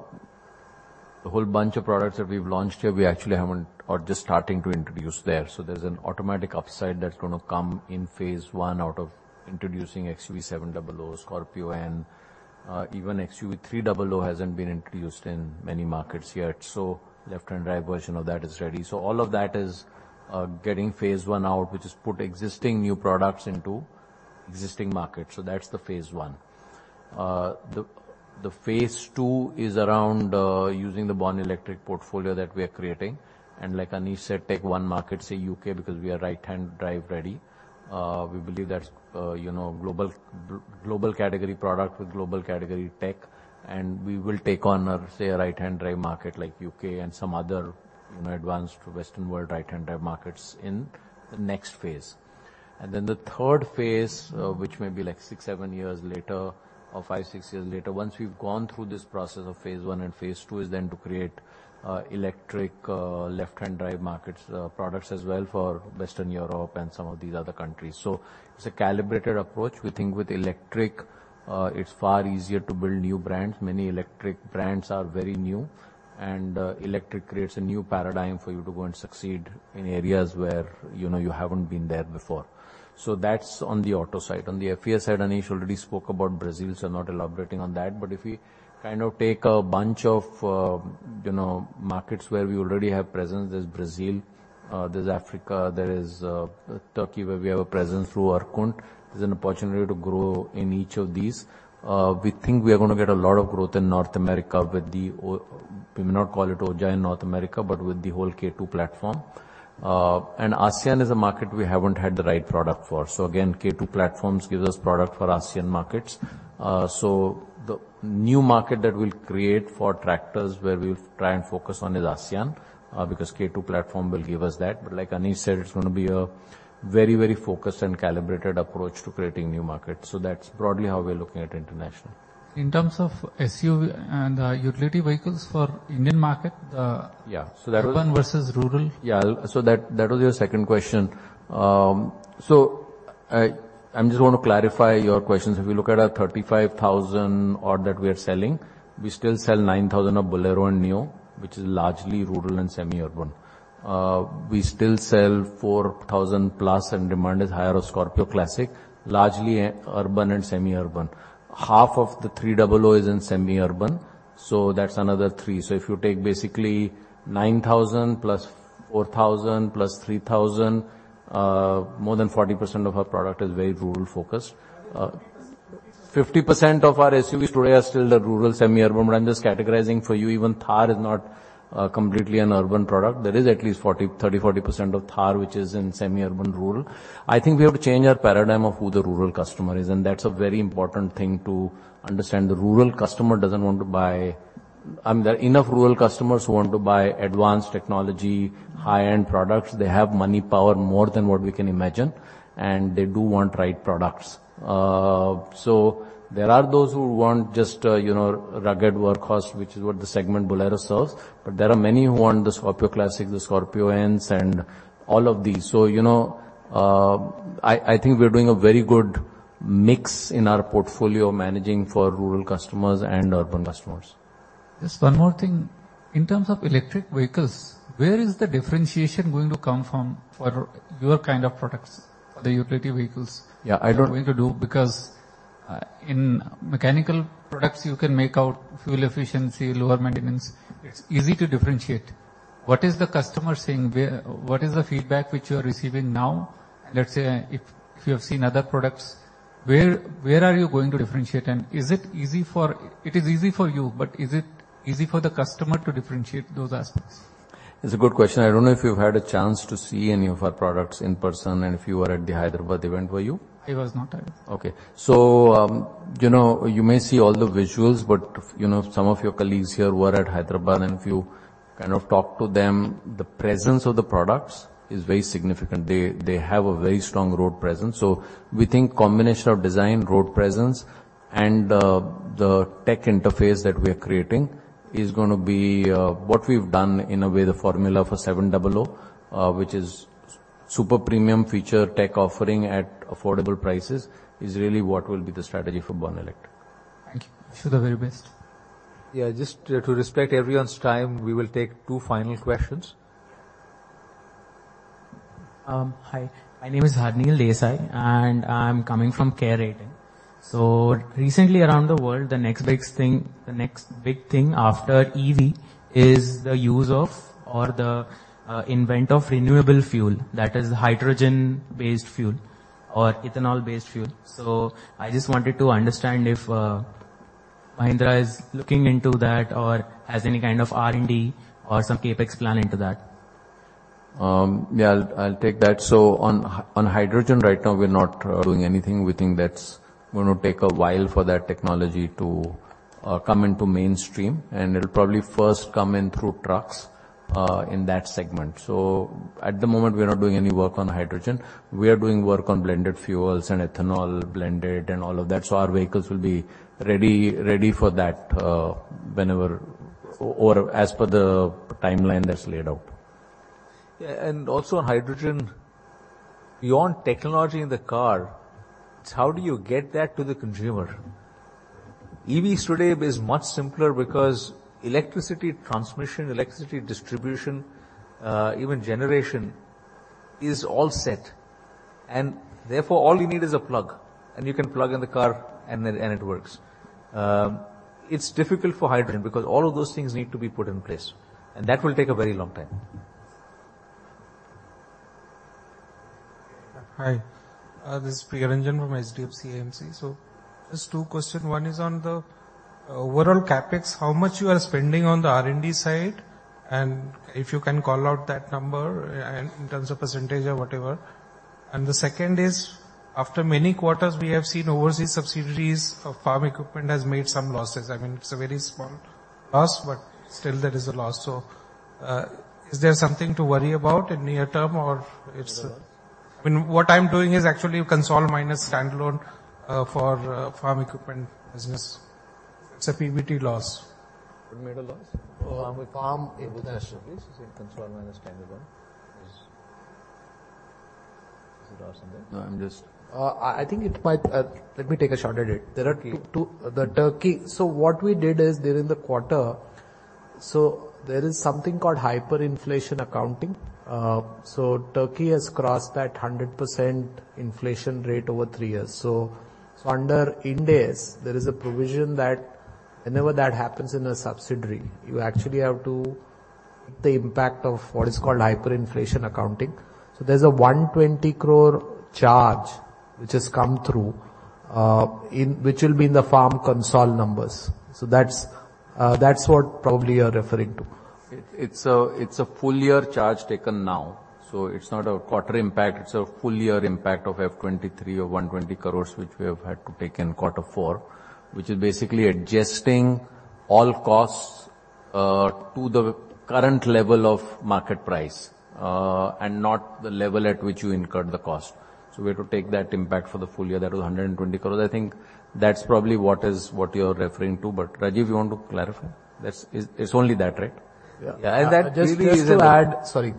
whole bunch of products that we've launched here, we actually haven't or just starting to introduce there. There's an automatic upside that's gonna come in phase one out of introducing XUV700, Scorpio, and even XUV300 hasn't been introduced in many markets yet. Left-hand drive version of that is ready. All of that is getting phase one out, which is put existing new products into existing markets. That's the phase one. The phase 2 is around using the Born Electric portfolio that we are creating. Like Anish said, take one market, say UK, because we are right-hand drive ready. We believe that's, you know, global category product with global category tech, and we will take on, say, a right-hand drive market like UK and some other, you know, advanced Western world right-hand drive markets in the next phase. Then the third phase, which may be like 6, 7 years later or 5, 6 years later, once we've gone through this process of phase 1 and phase 2, is then to create electric left-hand drive markets products as well for Western Europe and some of these other countries. It's a calibrated approach. We think with electric, it's far easier to build new brands. Many electric brands are very new, and electric creates a new paradigm for you to go and succeed in areas where, you know, you haven't been there before. That's on the auto side. On the FES side, Anish already spoke about Brazil, I'm not elaborating on that. If we kind of take a bunch of, you know, markets where we already have presence, there's Brazil, there's Africa, there is Turkey, where we have a presence through Erkunt. There's an opportunity to grow in each of these. We think we are gonna get a lot of growth in North America with the We may not call it OJA in North America, but with the whole K2 platform. ASEAN is a market we haven't had the right product for. Again, K2 platforms gives us product for ASEAN markets. The new market that we'll create for tractors, where we'll try and focus on, is ASEAN because K-two platform will give us that. Like Anish said, it's gonna be a very, very focused and calibrated approach to creating new markets. That's broadly how we're looking at international. In terms of SUV and utility vehicles for Indian market. Yeah, that was. Urban versus rural. That, that was your second question. I'm just want to clarify your questions. If you look at our 35,000 odd that we are selling, we still sell 9,000 of Bolero and Bolero Neo, which is largely rural and semi-urban. We still sell 4,000+, and demand is higher of Scorpio Classic, largely urban and semi-urban. Half of the XUV300 is in semi-urban, so that's another 3,000. If you take basically 9,000 + 4,000 + 3,000, more than 40% of our product is very rural focused. 50% of our SUVs today are still the rural, semi-urban, but I'm just categorizing for you, even Thar is not completely an urban product. There is at least 40%, 30%-40% of Thar, which is in semi-urban, rural. I think we have to change our paradigm of who the rural customer is, and that's a very important thing to understand. The rural customer doesn't want to buy. There are enough rural customers who want to buy advanced technology, high-end products. They have money power more than what we can imagine, and they do want right products. There are those who want just, you know, rugged workhorse, which is what the segment Bolero serves, but there are many who want the Scorpio Classic, the Scorpio-Ns, and all of these. You know, I think we're doing a very good mix in our portfolio, managing for rural customers and urban customers. Just one more thing. In terms of electric vehicles, where is the differentiation going to come from for your kind of products or the utility vehicles? Yeah. Going to do? Because, in mechanical products, you can make out fuel efficiency, lower maintenance. It's easy to differentiate. What is the customer saying? What is the feedback which you are receiving now? Let's say, if you have seen other products, where are you going to differentiate? Is it easy for you, but is it easy for the customer to differentiate those aspects? It's a good question. I don't know if you've had a chance to see any of our products in person and if you were at the Hyderabad event. Were you? I was not there. Okay. You know, you may see all the visuals, but, you know, some of your colleagues here were at Hyderabad, and if you kind of talk to them, the presence of the products is very significant. They have a very strong road presence. We think combination of design, road presence, and the tech interface that we are creating is gonna be what we've done, in a way, the formula for 700, which is super premium feature tech offering at affordable prices, is really what will be the strategy for Born Electric. Thank you. Wish you the very best. Yeah, just to respect everyone's time, we will take two final questions. Hi. My name is Harshil Desai, and I'm coming from CARE Ratings. Recently, around the world, the next big thing after EV is the use of or the invent of renewable fuel. That is, hydrogen-based fuel or ethanol-based fuel. I just wanted to understand if Mahindra is looking into that or has any kind of R&D or some CapEx plan into that. Yeah, I'll take that. On hydrogen, right now, we're not doing anything. We think that's gonna take a while for that technology to come into mainstream, and it'll probably first come in through trucks in that segment. At the moment, we are not doing any work on hydrogen. We are doing work on blended fuels and ethanol blended and all of that, so our vehicles will be ready for that whenever or, as per the timeline that's laid out. Hydrogen, you want technology in the car, so how do you get that to the consumer? EVs today is much simpler because electricity transmission, electricity distribution, even generation is all set, and therefore, all you need is a plug, and you can plug in the car, and it works. It's difficult for hydrogen because all of those things need to be put in place, and that will take a very long time. Hi. This is Priya Ranjan from HDFC AMC. Just two questions. One is on the overall CapEx. How much you are spending on the R&D side? If you can call out that number in terms of %. The second is, after many quarters, we have seen overseas subsidiaries of farm equipment has made some losses. I mean, it's a very small loss, but still there is a loss. Is there something to worry about in near term? Loss? I mean, what I'm doing is actually consol minus standalone, for farm equipment business. It's a PBT loss. We made a loss? Farm equipment. Farm equipment. Consolidated minus standalone. Is it loss in there? No. I think it might. Let me take a shot at it. There are two. Yeah. What we did is, during the quarter, there is something called hyperinflation accounting. Turkey has crossed that 100% inflation rate over three years. Under Ind AS, there is a provision that whenever that happens in a subsidiary, you actually have to the impact of what is called hyperinflation accounting. There's a 120 crore charge which has come through, which will be in the farm consol numbers. That's what probably you're referring to. It's a full year charge taken now, so it's not a quarter impact. It's a full year impact of F23 or 120 crores, which we have had to take in Q4, which is basically adjusting all costs to the current level of market price and not the level at which you incurred the cost. We have to take that impact for the full year. That was 120 crores. I think that's probably what is, what you're referring to. Rajiv, you want to clarify? That's, it's only that, right? Yeah. Yeah, that really. Just to add. Sorry.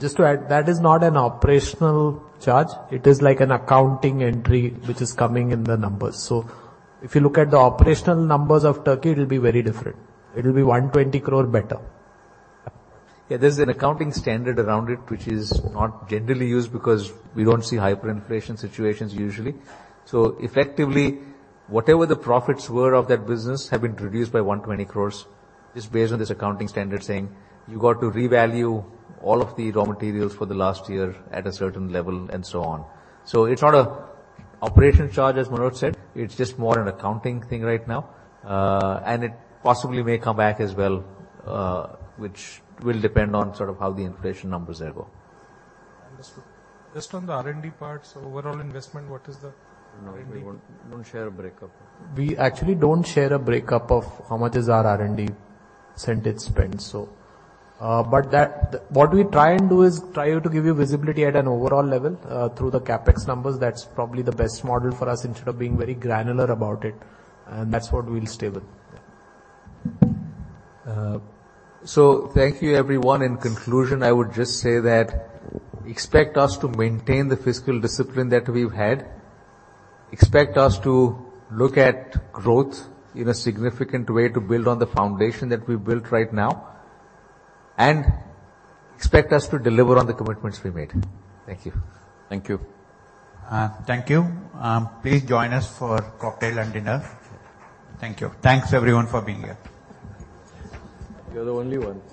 Just to add, that is not an operational charge. It is like an accounting entry, which is coming in the numbers. If you look at the operational numbers of Turkey, it'll be very different. It'll be 120 crore better. Yeah, there's an accounting standard around it, which is not generally used because we don't see hyperinflation situations usually. Effectively, whatever the profits were of that business have been reduced by 120 crores, just based on this accounting standard saying, "You got to revalue all of the raw materials for the last year at a certain level," and so on. It's not an operational charge, as Manoj said. It's just more an accounting thing right now. And it possibly may come back as well, which will depend on sort of how the inflation numbers there go. Understood. Just on the R&D part, overall investment, what is the R&D? No, we won't, we don't share a breakup. We actually don't share a breakup of how much is our R&D percentage spend. That, what we try and do is try to give you visibility at an overall level, through the CapEx numbers. That's probably the best model for us, instead of being very granular about it, and that's what we'll stay with. Uh- Thank you, everyone. In conclusion, I would just say that expect us to maintain the fiscal discipline that we've had. Expect us to look at growth in a significant way to build on the foundation that we've built right now, and expect us to deliver on the commitments we made. Thank you. Thank you. Thank you. Please join us for cocktail and dinner. Thank you. Thanks, everyone, for being here. You're the only one.